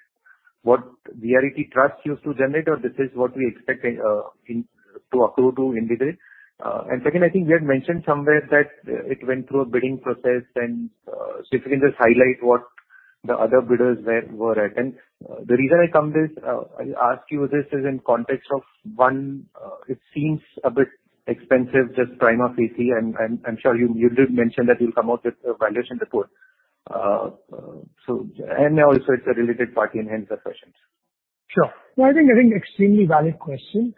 what VRE trust used to generate or this is what we expect to accrue to IndiGrid? Second, I think we had mentioned somewhere that it went through a bidding process. If you can just highlight what the other bidders were at. The reason I ask you this is in context of, one, it seems a bit expensive, just prima facie, and I'm sure you did mention that you'll come out with a valuation report. Also, it's a related party, and hence the questions. Sure. No, I think, I think extremely valid question.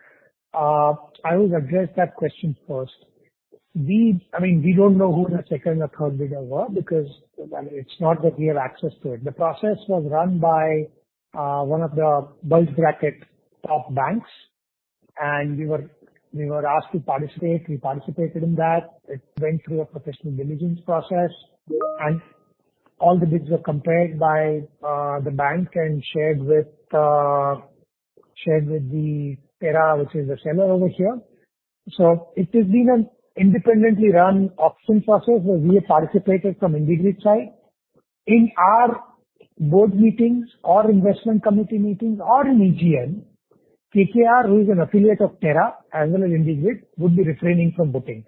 I will address that question first. I mean, we don't know who the second or third bidder were because, I mean, it's not that we have access to it. The process was run by one of the bulge bracket top banks, and we were asked to participate. We participated in that. It went through a professional diligence process, and all the bids were compared by the bank and shared with shared with Terra, which is the seller over here. It has been an independently run auction process where we have participated from IndiGrid side. In our board meetings or investment committee meetings or in EGM, KKR, who is an affiliate of Terra as well as IndiGrid, would be refraining from voting.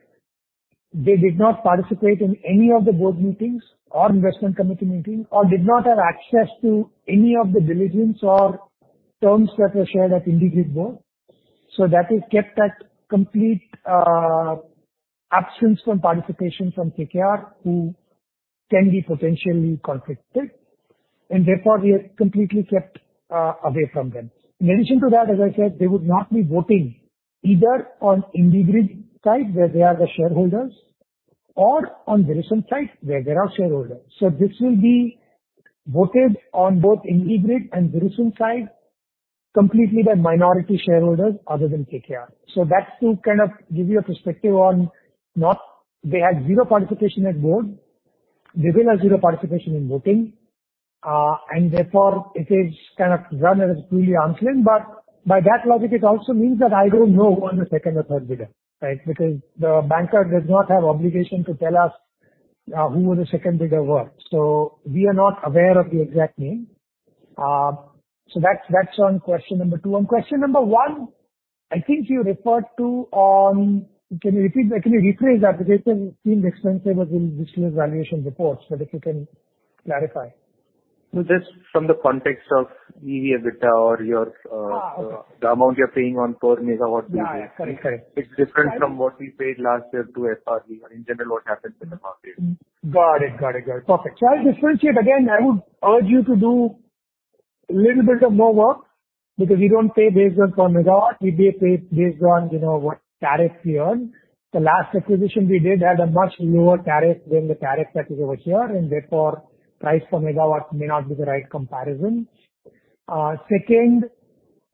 They did not participate in any of the board meetings or investment committee meetings or did not have access to any of the diligence or terms that were shared at IndiGrid board. That has kept that complete absence from participation from KKR, who can be potentially conflicted. Therefore, we have completely kept away from them. In addition to that, as I said, they would not be voting either on IndiGrid side where they are the shareholders or on Virescent side where they're our shareholder. This will be voted on both IndiGrid and Virescent side completely by minority shareholders other than KKR. That's to kind of give you a perspective. They had zero participation at board. They will have zero participation in voting. Therefore, it is kind of run as purely unclean. By that logic, it also means that I don't know who won the second or third bidder, right? Because the banker does not have obligation to tell us who the second bidder were. We are not aware of the exact name. That's, that's on question number two. On question number 1, I think you referred to. Can you repeat that? Can you rephrase that? Because it seemed expensive as in disclosure valuation reports, if you can clarify. Just from the context of EBITDA or your... Okay. The amount you're paying on per megawatt basis. Yeah. Correct. Correct. It's different from what we paid last year to SRV or in general what happens in the market. Got it. Got it. Got it. Perfect. I'll differentiate. Again, I would urge you to do little bit of more work because we don't pay based on per megawatt. We pay based on, you know, what tariff we earn. The last acquisition we did had a much lower tariff than the tariff that is over here, and therefore price per megawatt may not be the right comparison. Second,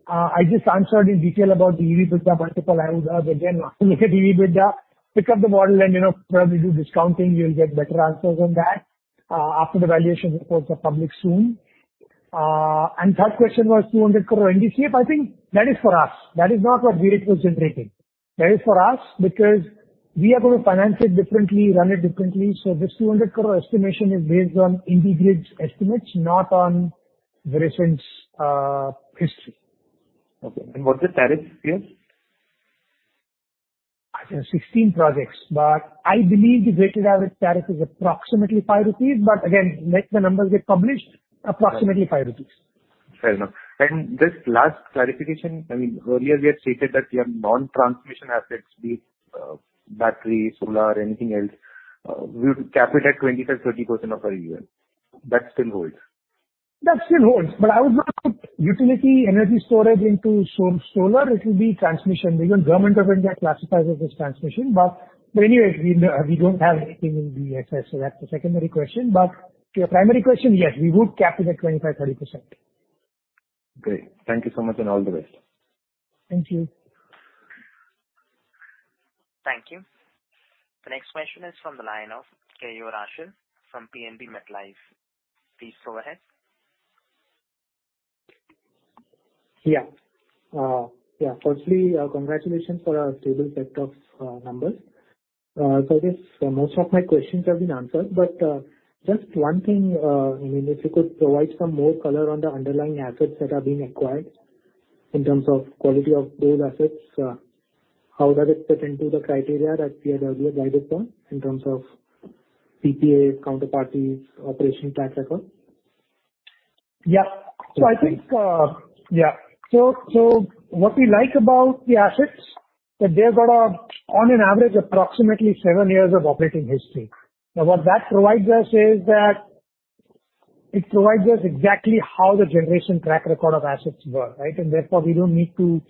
I just answered in detail about the EV/EBITDA multiple. I would urge again, look at EV/EBITDA, pick up the model and, you know, probably do discounting. You'll get better answers on that after the valuation reports are public soon. Third question was 200 crore NDCF. I think that is for us. That is not what concentrating. That is for us, because we are going to finance it differently, run it differently. This 200 crore estimation is based on IndiGrid's estimates, not on Virescent's history. Okay. What's the tariff here? 16 projects. I believe the weighted average tariff is approximately 5 rupees. Again, let the numbers get published. Approximately 5 rupees. Fair enough. This last clarification, I mean, earlier we had stated that we have non-transmission assets, be it battery, solar, anything else, we would cap it at 25%, 30% of our AUM. That still holds. That still holds, but I would not put utility energy storage into solar. It will be transmission because Government of India classifies it as transmission. anyways, we don't have anything in BESS, so that's a secondary question. To your primary question, yes, we would cap it at 25%, 30%. Great. Thank you so much. All the best. Thank you. Thank you. The next question is from the line of K.U. Rushan from PNB MetLife. Please go ahead. firstly, congratulations for a stable set of numbers. I guess most of my questions have been answered. just one thing, I mean, if you could provide some more color on the underlying assets that are being acquired in terms of quality of those assets, how does it fit into the criteria that PIW guided on in terms of PPAs, counterparties, operational track record? I think what we like about the assets, that they've got a, on an average, approximately 7 years of operating history. Now, what that provides us is that it provides us exactly how the generation track record of assets were, right? Therefore, we don't need to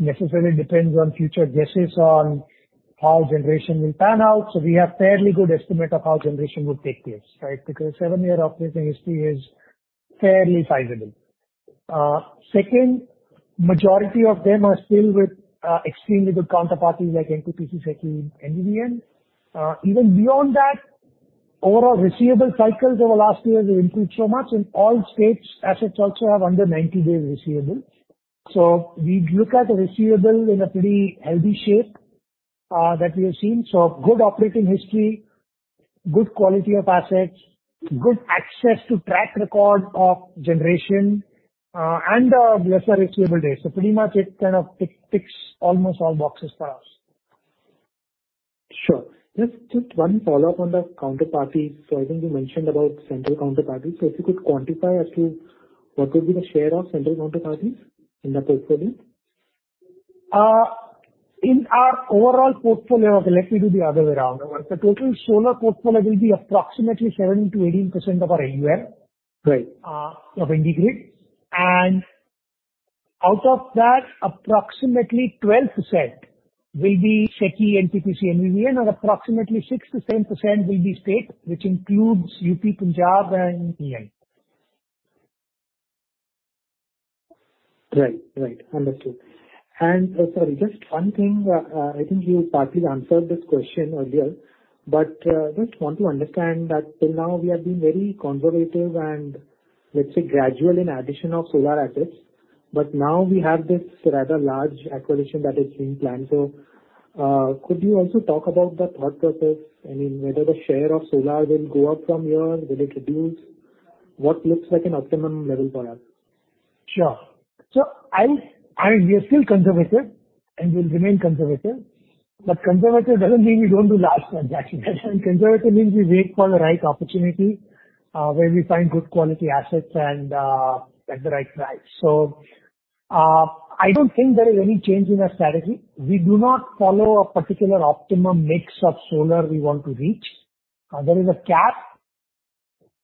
necessarily depend on future guesses on how generation will pan out. We have fairly good estimate of how generation will take place, right? Because 7-year operating history is fairly sizable. Second, majority of them are still with extremely good counterparties like NTPC, SECI, NVVN. Even beyond that, overall receivable cycles over last year have improved so much. In all states, assets also have under 90-day receivables. We look at the receivable in a pretty healthy shape that we have seen. Good operating history, good quality of assets, good access to track record of generation, and a lesser receivable day. Pretty much it kind of ticks almost all boxes for us. Sure. Just one follow-up on the counterparties. I think you mentioned about central counterparty. If you could quantify actually what would be the share of central counterparties in the portfolio. In our overall portfolio. Okay, let me do the other way around. The total solar portfolio will be approximately 17%-18% of our AUM. Right. of IndiGrid. Out of that, approximately 12% will be SECI, NTPC, NVVN. Approximately 6%-10% will be state, which includes UP, Punjab, and EI. Right. Right. Understood. Sorry, just one thing. I think you partly answered this question earlier, but, just want to understand that till now we have been very conservative and let's say gradual in addition of solar assets. Now we have this rather large acquisition that is being planned. Could you also talk about the thought process? I mean, whether the share of solar will go up from here and will it reduce? What looks like an optimum level for us? Sure. I mean, we are still conservative, and we'll remain conservative. Conservative doesn't mean we don't do large transactions. Conservative means we wait for the right opportunity, where we find good quality assets and at the right price. I don't think there is any change in our strategy. We do not follow a particular optimum mix of solar we want to reach. There is a cap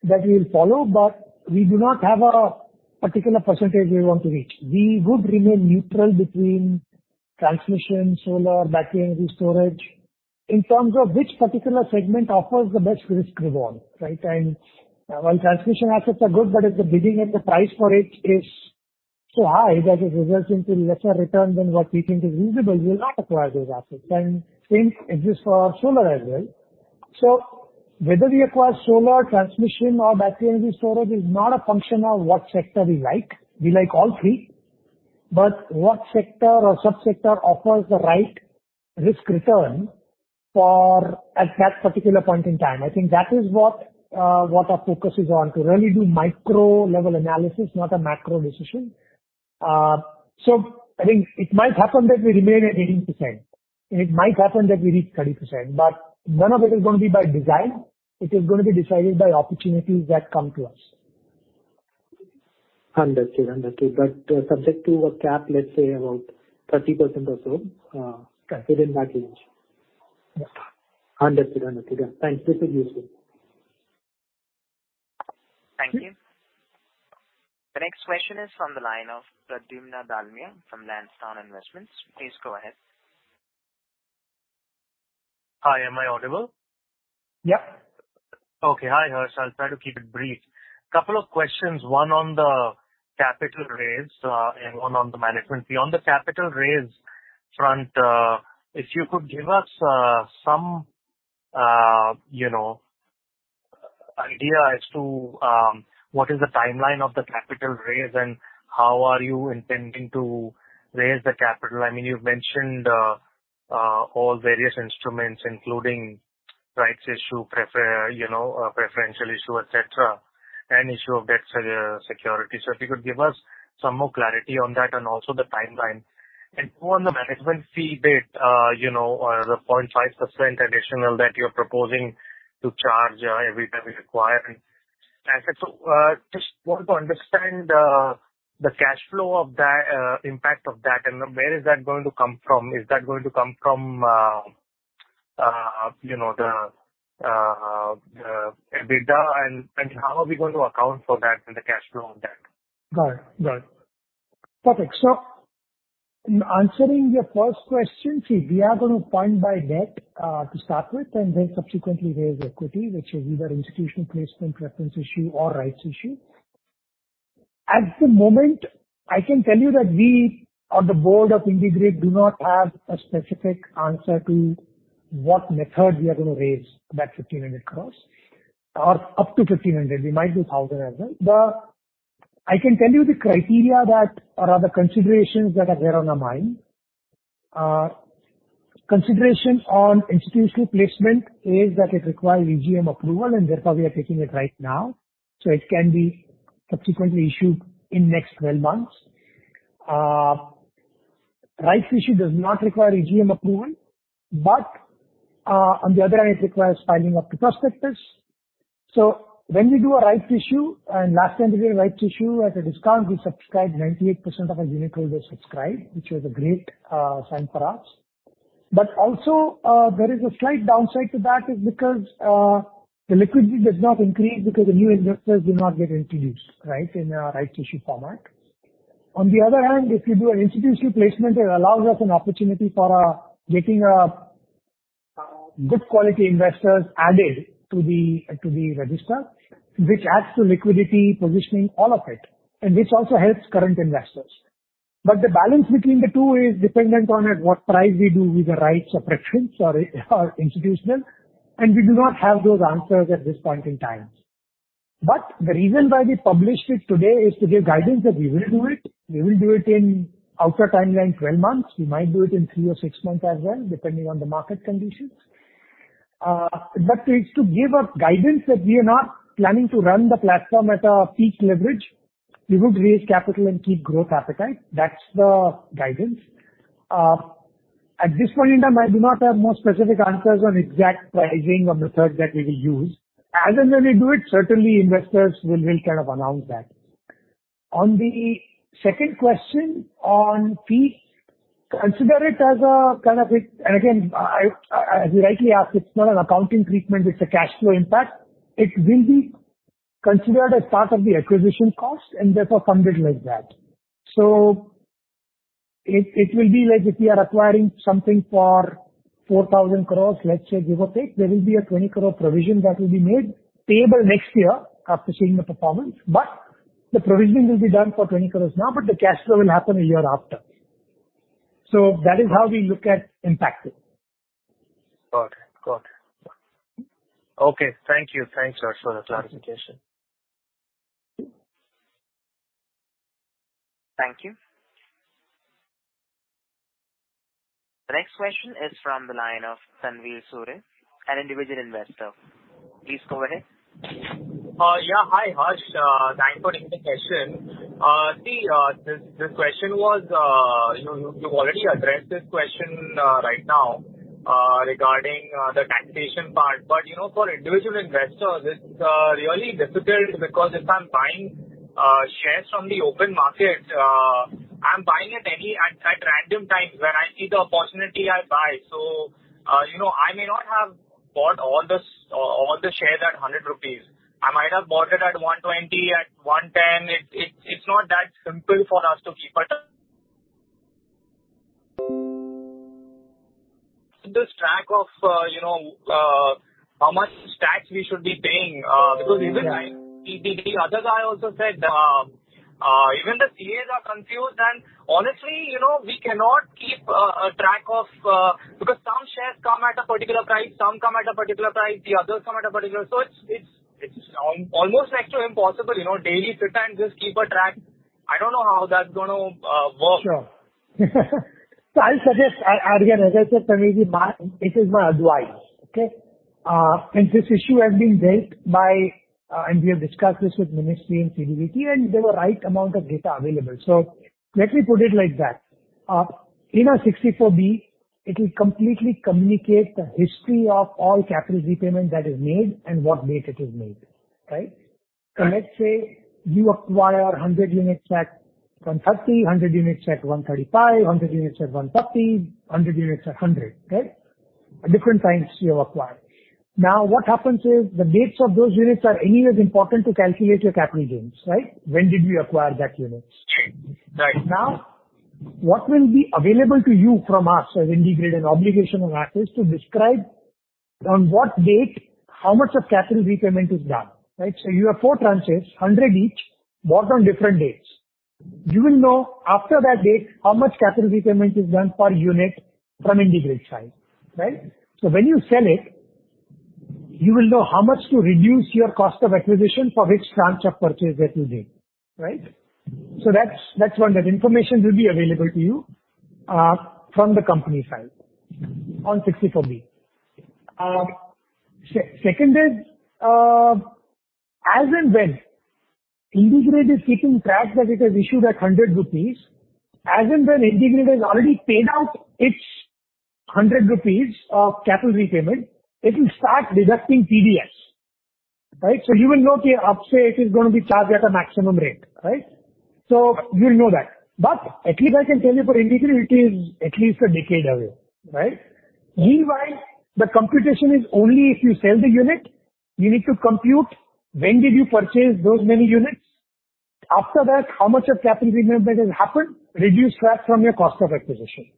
that we'll follow, but we do not have a particular percentage we want to reach. We would remain neutral between transmission, solar, battery energy storage in terms of which particular segment offers the best risk reward, right? While transmission assets are good, but if the bidding and the price for it is so high that it results into lesser returns than what we think is reasonable, we'll not acquire those assets. Same exists for our solar as well. Whether we acquire solar, transmission or battery energy storage is not a function of what sector we like. We like all three. What sector or subsector offers the right risk return for at that particular point in time, I think that is what our focus is on, to really do micro level analysis, not a macro decision. I think it might happen that we remain at 18%, and it might happen that we reach 30%, but none of it is going to be by design. It is going to be decided by opportunities that come to us. Understood. Understood. Subject to a cap, let's say about 30% or so. Correct. Within that range. Yes. Understood. Understood. Thanks. This is useful. Thank you. The next question is from the line of Pradyumna Dalmia from Lansdowne Investments. Please go ahead. Hi, am I audible? Yep. Okay. Hi, Harsh. I'll try to keep it brief. Couple of questions, one on the capital raise and one on the management. Beyond the capital raise front, if you could give us some, you know, idea as to what is the timeline of the capital raise and how are you intending to raise the capital. I mean, you've mentioned all various instruments, including rights issue, you know, preferential issue, et cetera, and issue of debt security. If you could give us some more clarity on that and also the timeline. Two, on the management fee bit, you know, the 0.5% additional that you're proposing to charge every time you acquire an asset. Just want to understand the cash flow of that impact of that and where is that going to come from. Is that going to come from, you know, the EBITDA? How are we going to account for that in the cash flow of that? Got it. Got it. Perfect. In answering your first question, see, we are gonna fund by debt to start with, then subsequently raise equity, which is either institutional placement, preference issue or rights issue. At the moment, I can tell you that we on the board of IndiGrid do not have a specific answer to what method we are gonna raise that 1,500 crores or up to 1,500. We might do 1,000 as well. I can tell you the criteria that or other considerations that are there on our mind. Consideration on institutional placement is that it requires EGM approval therefore we are taking it right now, so it can be subsequently issued in next 12 months. Rights issue does not require EGM approval, on the other hand, it requires filing of the prospectus. When we do a rights issue, and last time we did a rights issue at a discount, we subscribed 98% of our unit holders subscribed, which was a great sign for us. Also, there is a slight downside to that is because the liquidity does not increase because the new investors do not get introduced, right, in a rights issue format. On the other hand, if you do an institutional placement, it allows us an opportunity for getting good quality investors added to the register, which adds to liquidity, positioning, all of it. This also helps current investors. The balance between the two is dependent on at what price we do either rights or preference or institutional, and we do not have those answers at this point in time. The reason why we published it today is to give guidance that we will do it. We will do it in out year timeline, 12 months. We might do it in 3 or 6 months as well, depending on the market conditions. It's to give a guidance that we are not planning to run the platform at a peak leverage. We would raise capital and keep growth appetite. That's the guidance. At this point in time, I do not have more specific answers on exact pricing or method that we will use. As and when we do it, certainly investors, we will kind of announce that. On the second question on fees, consider it. Again, I, as you rightly asked, it's not an accounting treatment, it's a cash flow impact. It will be considered as part of the acquisition cost and therefore funded like that. It will be like if we are acquiring something for 4,000 crores, let's say, give or take, there will be a 20 crore provision that will be made payable next year after seeing the performance. The provisioning will be done for 20 crores now, but the cash flow will happen a year after. That is how we look at impacting. Got it. Got it. Okay. Thank you. Thanks, Harsh, for the clarification. Thank you. The next question is from the line of Tanvir Suri, an Individual Investor. Please go ahead. Yeah. Hi, Harsh. Thanks for taking the question. See, this question was. You've already addressed this question right now regarding the taxation part. You know, for individual investors, it's really difficult because if I'm buying shares from the open market, I'm buying at random times. When I see the opportunity, I buy. You know, I may not have bought all the shares at 100 rupees. I might have bought it at 120, at 110. It's not that simple for us to keep the track of, you know, how much tax we should be paying. Yeah. Because even the other guy also said, even the C.A.s are confused. Honestly, you know, we cannot keep a track of... Because some shares come at a particular price, some come at a particular price, the others come at a particular. It's almost like impossible, you know, daily sit and just keep a track. I don't know how that's gonna work. Sure. I'll suggest, again, as I said, Sunnyji, my this is my advice, okay. This issue has been raised by, and we have discussed this with Ministry and SEBI, and there were right amount of data available. Let me put it like that. In our 64B, it will completely communicate the history of all capital repayment that is made and what date it is made. Right. Correct. Let's say you acquire 100 units at 130, 100 units at 135, 100 units at 115, 100 units at 100, okay? At different times you have acquired. What happens is, the dates of those units are nearly as important to calculate your capital gains, right? When did you acquire that unit? Right. What will be available to you from us as IndiGrid, an obligation on us, is to describe on what date, how much of capital repayment is done, right? You have four tranches, 100 each, bought on different dates. You will know after that date how much capital repayment is done per unit from IndiGrid side, right? When you sell it, you will know how much to reduce your cost of acquisition for which tranche of purchase that you did, right? That's one. That information will be available to you from the company side on Form 64B. Second is, as and when IndiGrid is keeping track that it has issued at 100 rupees, as and when IndiGrid has already paid out its 100 rupees of capital repayment, it will start deducting TDS, right? You will know ki upse it is gonna be charged at a maximum rate, right? You'll know that. At least I can tell you for IndiGrid, it is at least a decade away, right? Meanwhile, the computation is only if you sell the unit. You need to compute when did you purchase those many units. After that, how much of capital repayment that has happened, reduce that from your cost of acquisition.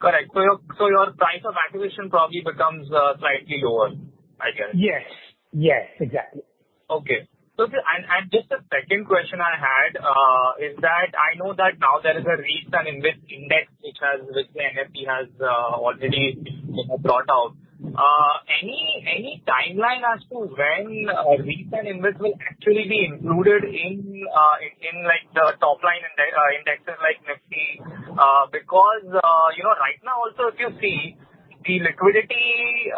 Correct. Your price of acquisition probably becomes slightly lower. I get it. Yes. Yes, exactly. Just the second question I had, is that I know that now there is a REIT and InvIT index which the Nifty has already, you know, brought out. Any timeline as to when a REIT and InvIT will actually be included in like the top line indexes like Nifty? Because, you know, right now also if you see, the liquidity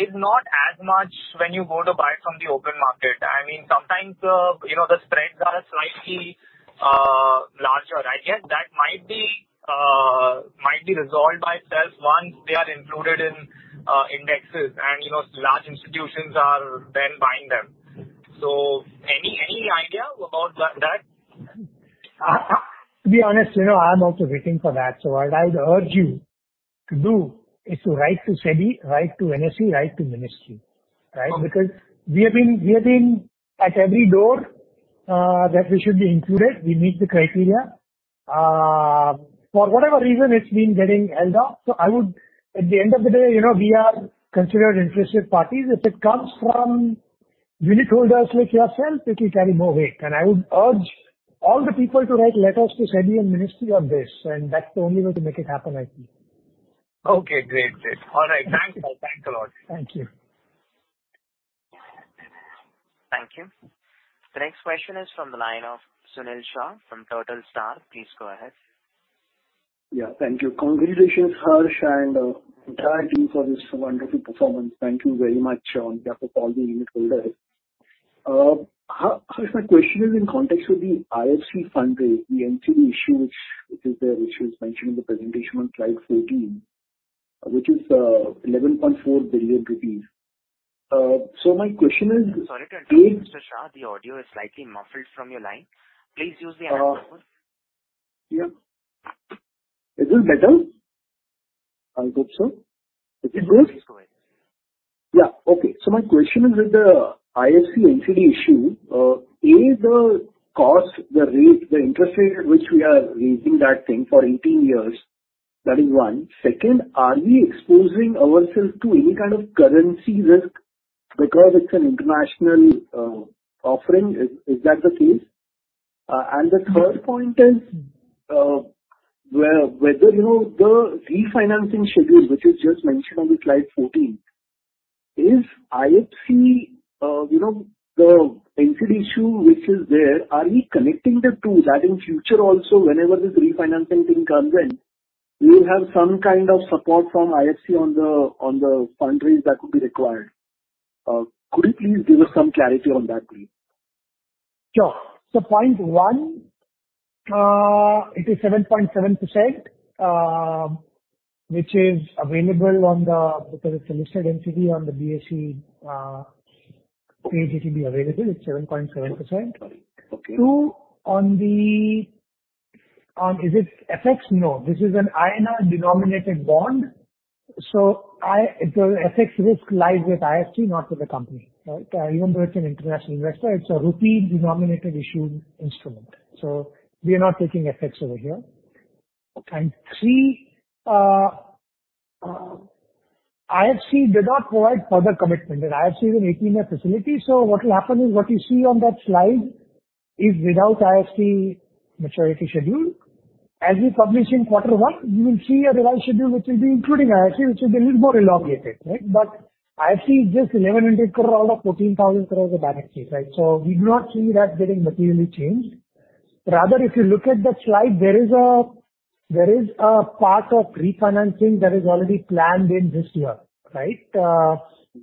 is not as much when you go to buy from the open market. I mean, sometimes, you know, the spreads are slightly larger. I guess that might be resolved by itself once they are included in indexes and, you know, large institutions are then buying them. Any idea about that? To be honest, you know, I'm also waiting for that. What I would urge you to do is to write to SEBI, write to NSE, write to Ministry, right? Okay. Because we have been at every door, that we should be included. We meet the criteria. For whatever reason, it's been getting held up. At the end of the day, you know, we are considered interested parties. If it comes from unitholders like yourself, it will carry more weight. I would urge all the people to write letters to SEBI and Ministry on this, that's the only way to make it happen, I think. Okay, great. Great. All right. Thanks a lot. Thanks a lot. Thank you. Thank you. The next question is from the line of Sunil Shah from Turtle Star. Please go ahead. Yeah. Thank you. Congratulations, Harsh, and entire team for this wonderful performance. Thank you very much on behalf of all the unitholders. So, my question is in context with the IFC fundraise, the NCD issue, which is there, which was mentioned in the presentation on Slide 14, which is 11.4 billion rupees. So, my question is Sorry to interrupt you, Mr. Shah. The audio is slightly muffled from your line. Please use the other phone. Yeah. Is this better? I hope so. Is it good? Yes, please go ahead. Yeah. Okay. My question is with the IFC NCD issue, A, the cost, the rate, the interest rate at which we are raising that thing for 18 years. That is one. Second, are we exposing ourselves to any kind of currency risk because it's an international offering? Is that the case? The third point is whether, you know, the refinancing schedule, which is just mentioned on the Slide 14, is IFC, you know, the NCD issue which is there, are we connecting the two, that in future also, whenever this refinancing thing comes in, we'll have some kind of support from IFC on the fundraise that would be required? Could you please give us some clarity on that, please? Sure. Point 1, it is 7.7%, which is available on the entity on the BSE, page it will be available. It's 7.7%. Okay. Two, on the... Is it FX? No. This is an INR-denominated bond, so the FX risk lies with IFC, not with the company. Right? Even though it's an international investor, it's a rupee-denominated issue instrument, so we are not taking FX over here. Okay. Three, IFC does not provide further commitment. The IFC is an 18-year facility. What will happen is what you see on that slide is without IFC maturity schedule. As we publish in Q1, you will see a revised schedule which will be including IFC, which will be a little more elongated, right? IFC is just 1,100 crore out of 14,000 crore of the balance sheet, right? We do not see that getting materially changed. If you look at that slide, there is a part of refinancing that is already planned in this year, right?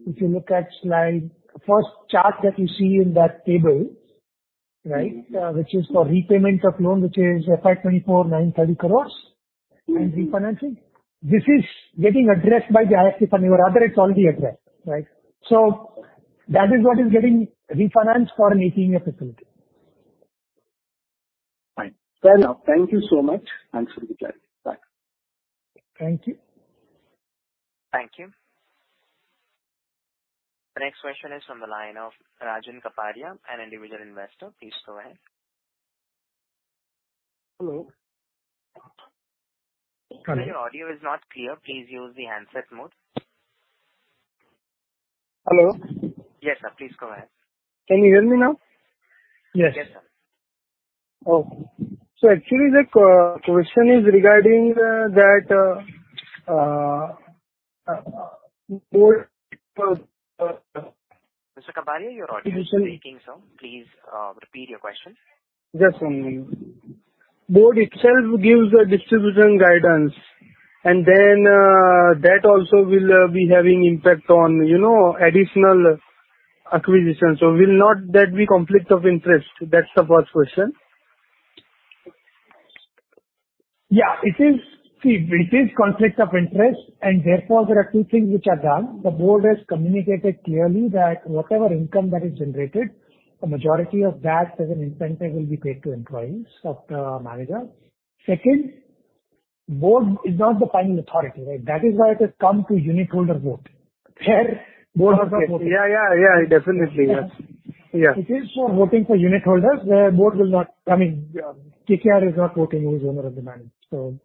If you look at the Slide 1 chart that you see in that table, right? Which is for repayment of loan, which is FY24, 930 crore and refinancing. This is getting addressed by the IFC funding. Rather, it's already addressed, right? That is what is getting refinanced for an 18-year facility. Fine. Fair enough. Thank you so much. Thanks for the clarity. Bye. Thank you. Thank you. The next question is from the line of Rajan Kaparia, an individual investor. Please go ahead. Hello. Sorry, your audio is not clear. Please use the handset mode. Hello. Yes, sir. Please go ahead. Can you hear me now? Yes. Yes, sir. Oh. Actually the question is regarding that board. Mr. Kaparia, your audio is breaking some. Please, repeat your question. Yes. Board itself gives a distribution guidance and then, that also will be having impact on, you know, additional acquisitions. Will not that be conflict of interest? That's the first question. Yeah, it is. See, it is conflict of interest, and therefore there are 2 things which are done. The board has communicated clearly that whatever income that is generated, a majority of that as an incentive will be paid to employees of the manager. Second, board is not the final authority, right? That is why it has come to unitholder vote, where board has a vote. Okay. Yeah, yeah. Definitely. Yes. Yeah. It is for voting for unitholders. The board will not. I mean, KKR is not voting. It is owner of the bank.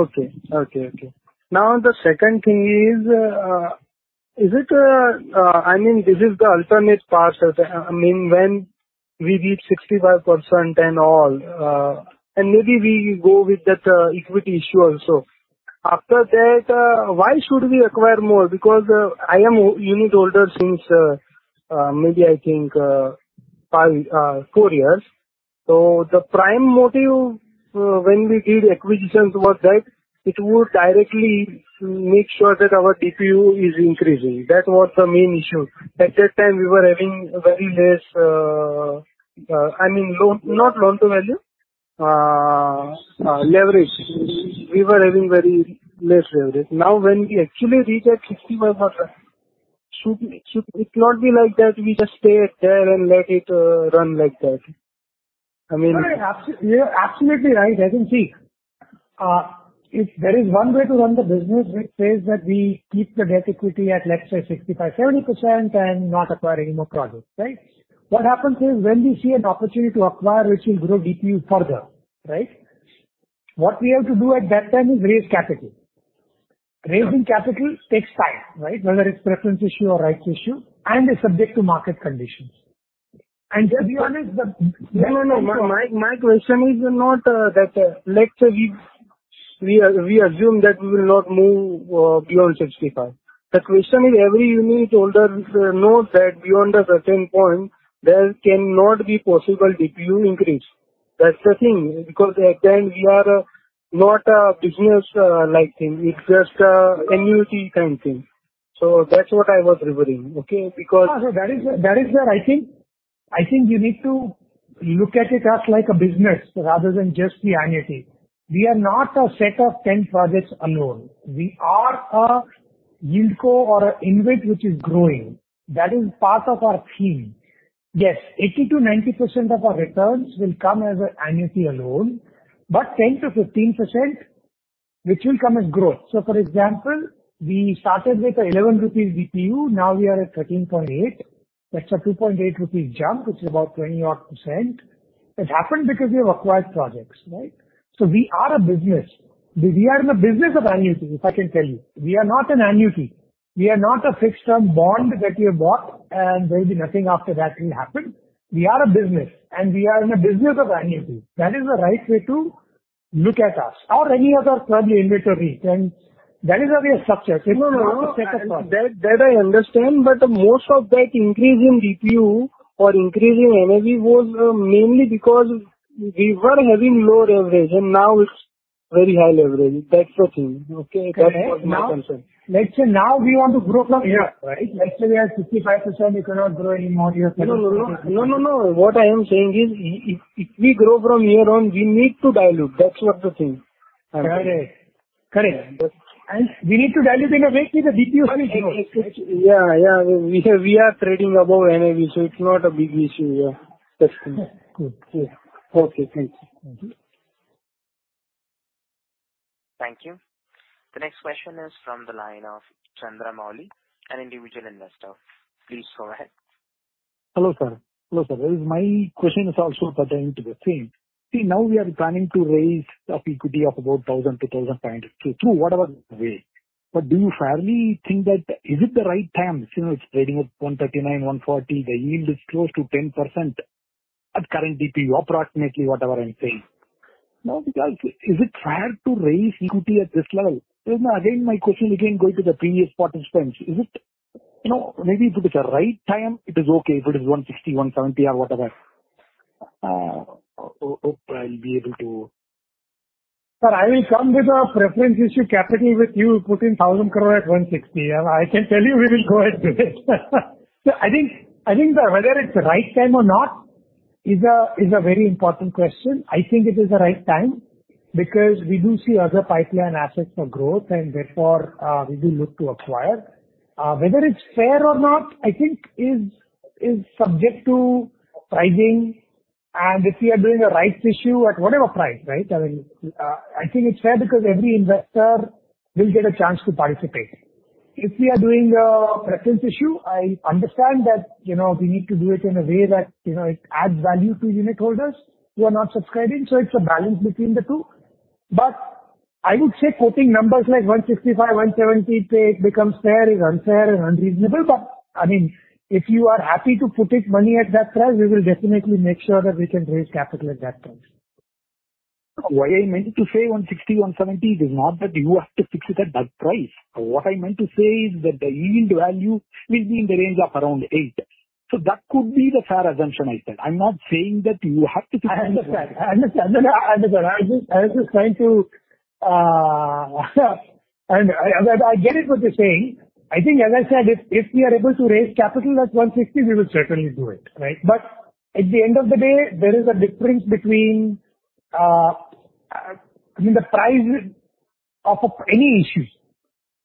Okay. Okay, okay. The second thing is it, I mean, this is the alternate part of the... I mean, when we reach 65% and all, and maybe we go with that equity issue also. After that, why should we acquire more? Because, I am unitholder since, maybe I think, 5, 4 years. The prime motive, when we did acquisitions was that it would directly make sure that our DPU is increasing. That was the main issue. At that time, we were having very less, I mean, loan, not loan-to-value, leverage. We were having very less leverage. When we actually reach that 65%, should it not be like that we just stay it there and let it run like that? I mean. No, you're absolutely right, Rajan. See, if there is one way to run the business which says that we keep the debt equity at, let's say 65%, 70% and not acquire any more projects, right? What happens is, when we see an opportunity to acquire, which will grow DPU further, right? What we have to do at that time is raise capital. Raising capital takes time, right? Whether it's preference issue or rights issue, and it's subject to market conditions. Just one is the- No, no. My question is not that let's say we assume that we will not move beyond 65. The question is every unitholder knows that beyond a certain point, there cannot be possible DPU increase. That's the thing, because at times we are not a business-like thing. It's just an annuity kind thing. That's what I was referring. Okay? No, no. That is, that is where I think, I think you need to look at it as like a business rather than just the annuity. We are not a set of 10 projects alone. We are a yield co or an InvIT which is growing. That is part of our theme. Yes, 80%-90% of our returns will come as an annuity alone, but 10%-15%, which will come as growth. For example, we started with 11 rupees DPU. Now we are at 13.8. That's a 2.8 rupees jump. It's about 20%. It happened because we have acquired projects, right? We are a business. We are in the business of annuity, if I can tell you. We are not an annuity. We are not a fixed term bond that you have bought. There'll be nothing after that will happen. We are a business. We are in the business of annuity. That is the right way to look at us or any other probably InvIT. That is a real structure. It's not a set of projects. No, no. That, that I understand. Most of that increase in DPU or increase in NAV was mainly because we were having lower average. Very high level. That's okay. Okay. Correct. Now, let's say now we want to grow from here, right? Let's say we are at 65%, we cannot grow any more. No, no. No, no. What I am saying is if we grow from here on, we need to dilute. That's not the thing. Correct. We need to dilute in a way that the DPU will grow. Yeah, yeah. We are trading above NAV. It's not a big issue. Yeah. That's it. Good. Good. Okay, thank you. Mm-hmm. Thank you. The next question is from the line of Chandra Mali, an individual investor. Please go ahead. Hello, sir. Hello, sir. My question is also pertaining to the same. Now we are planning to raise up equity of about 1,000, 2,000 points through whatever way. Do you fairly think that is it the right time? You know, it's trading at 139, 140. The yield is close to 10% at current DPU, approximately whatever I'm saying. Is it fair to raise equity at this level? My question again going to the previous participants. You know, maybe if it's the right time, it is okay if it is 160, 170 or whatever. Hope I'll be able to. Sir, I will come with a preference issue capital with you putting 1,000 crore at 160. I can tell you we will go ahead and do it. I think whether it's the right time or not is a very important question. I think it is the right time because we do see other pipeline assets for growth and therefore, we will look to acquire. Whether it's fair or not, I think is subject to pricing. If we are doing a rights issue at whatever price, right? I mean, I think it's fair because every investor will get a chance to participate. If we are doing a preference issue, I understand that, you know, we need to do it in a way that, you know, it adds value to unitholders who are not subscribing, so it's a balance between the two. I would say quoting numbers like 165, 170, it becomes fair, is unfair, is unreasonable. I mean, if you are happy to put in money at that price, we will definitely make sure that we can raise capital at that price. Why I meant to say 160, 170 is not that you have to fix it at that price. What I meant to say is that the yield value will be in the range of around 8%. That could be the fair assumption, I said. I'm not saying that you have to. I understand. I understand. I understand. I was just trying to; I get it what you're saying. As I said, if we are able to raise capital at 160, we will certainly do it, right? At the end of the day, there is a difference between, I mean, the price of any issue,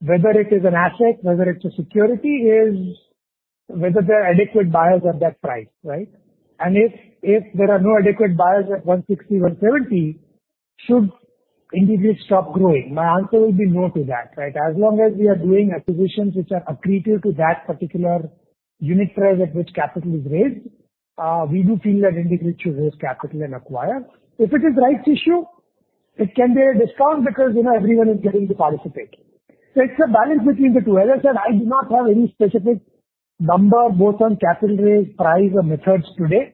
whether it is an asset, whether it's a security, is whether there are adequate buyers at that price, right? If there are no adequate buyers at 160-170, should IndiGrid stop growing? My answer will be no to that, right. As long as we are doing acquisitions which are accretive to that particular unit price at which capital is raised, we do feel that IndiGrid should raise capital and acquire. If it is rights issue, it can be at a discount because, you know, everyone is getting to participate. It's a balance between the two. As I said, I do not have any specific number both on capital raise, price or methods today.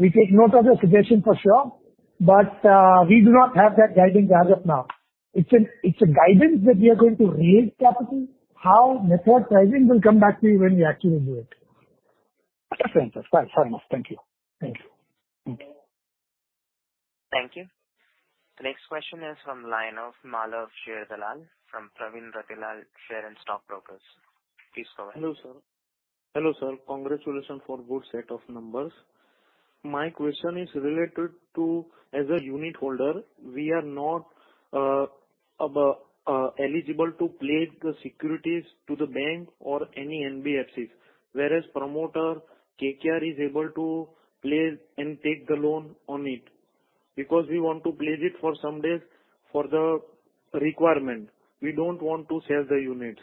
We take note of your suggestion for sure, but, we do not have that guidance as of now. It's a guidance that we are going to raise capital. How? Method, pricing, we'll come back to you when we actually do it. That's the answer. Fine. Fair enough. Thank you. Thank you. Thank you. The next question is from line of Malav Sharedalal from Pravin Ratilal Share and Stock Brokers. Please go ahead. Hello, sir. Congratulations for good set of numbers. My question is related to, as a unitholder, we are not eligible to pledge the securities to the bank or any NBFCs. Whereas promoter KKR is able to pledge and take the loan on it. Because we want to pledge it for some days for the requirement. We don't want to sell the units.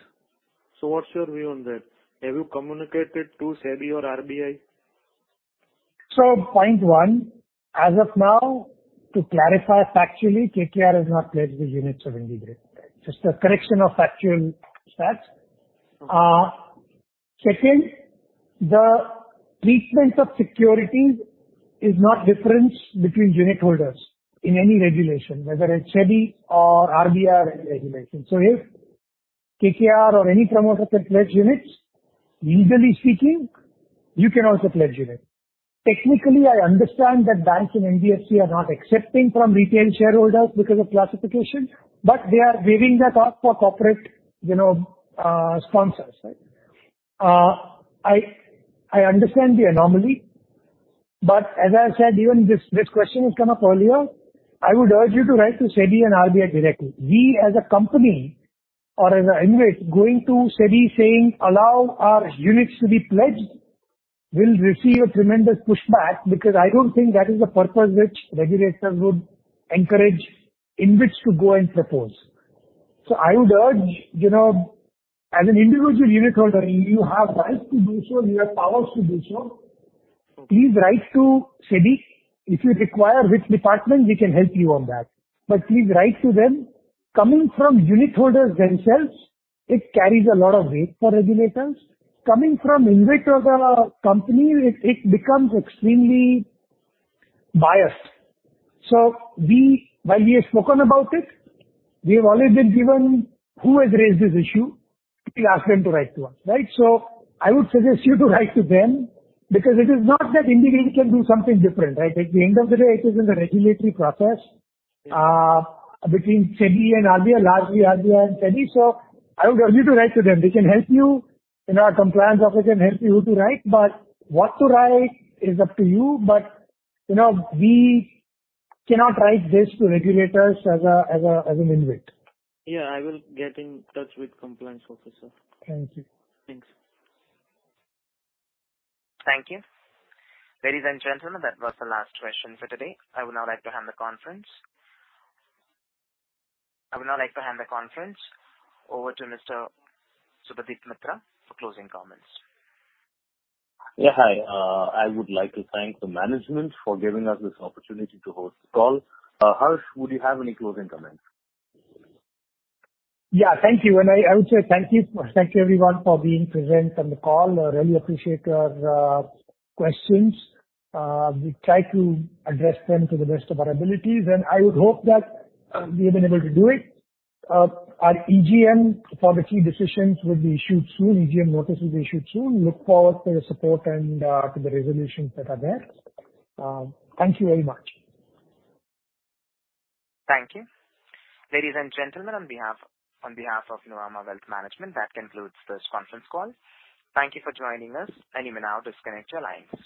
What's your view on that? Have you communicated to SEBI or RBI? Point one, as of now, to clarify factually, KKR has not pledged the units of IndiGrid. Just a correction of factual stats. Second, the treatment of securities is not different between unitholders in any regulation, whether it's SEBI or RBI regulation. If KKR or any promoter can pledge units, legally speaking, you can also pledge units. Technically, I understand that banks and NBFCs are not accepting from retail shareholders because of classification, but they are waiving that off for corporate, you know, sponsors, right? I understand the anomaly, but as I said, even this question has come up earlier. I would urge you to write to SEBI and RBI directly. We as a company or as InvIT going to SEBI saying, "Allow our units to be pledged," will receive a tremendous pushback because I don't think that is the purpose which regulators would encourage InvITs to go and propose. I would urge, you know, as an individual unitholder, you have rights to do so, you have powers to do so. Please write to SEBI. If you require which department, we can help you on that. Please write to them. Coming from unitholders themselves, it carries a lot of weight for regulators. Coming from InvIT or the company, it becomes extremely biased. We, while we have spoken about it, we have always been given who has raised this issue. We ask them to write to us, right? I would suggest you to write to them because it is not that IndiGrid can do something different, right? At the end of the day, it is in the regulatory process, between SEBI and RBI, largely RBI and SEBI. I would urge you to write to them. We can help you. You know, our compliance officer can help you who to write, but what to write is up to you. You know, we cannot write this to regulators as an InvIT. Yeah, I will get in touch with compliance officer. Thank you. Thanks. Thank you. Ladies and gentlemen, that was the last question for today. I would now like to hand the conference over to Mr. Subhadip Mitra for closing comments. Hi. I would like to thank the management for giving us this opportunity to host the call. Harsh, would you have any closing comments? Yeah. Thank you. I would say thank you, thank you everyone for being present on the call. I really appreciate your questions. We try to address them to the best of our abilities, and I would hope that we have been able to do it. Our EGM for the key decisions will be issued soon. EGM notice will be issued soon. Look forward to your support and to the resolutions that are there. Thank you very much. Thank you. Ladies and gentlemen, on behalf of Nuvama Wealth Management, that concludes this conference call. Thank you for joining us, and you may now disconnect your lines.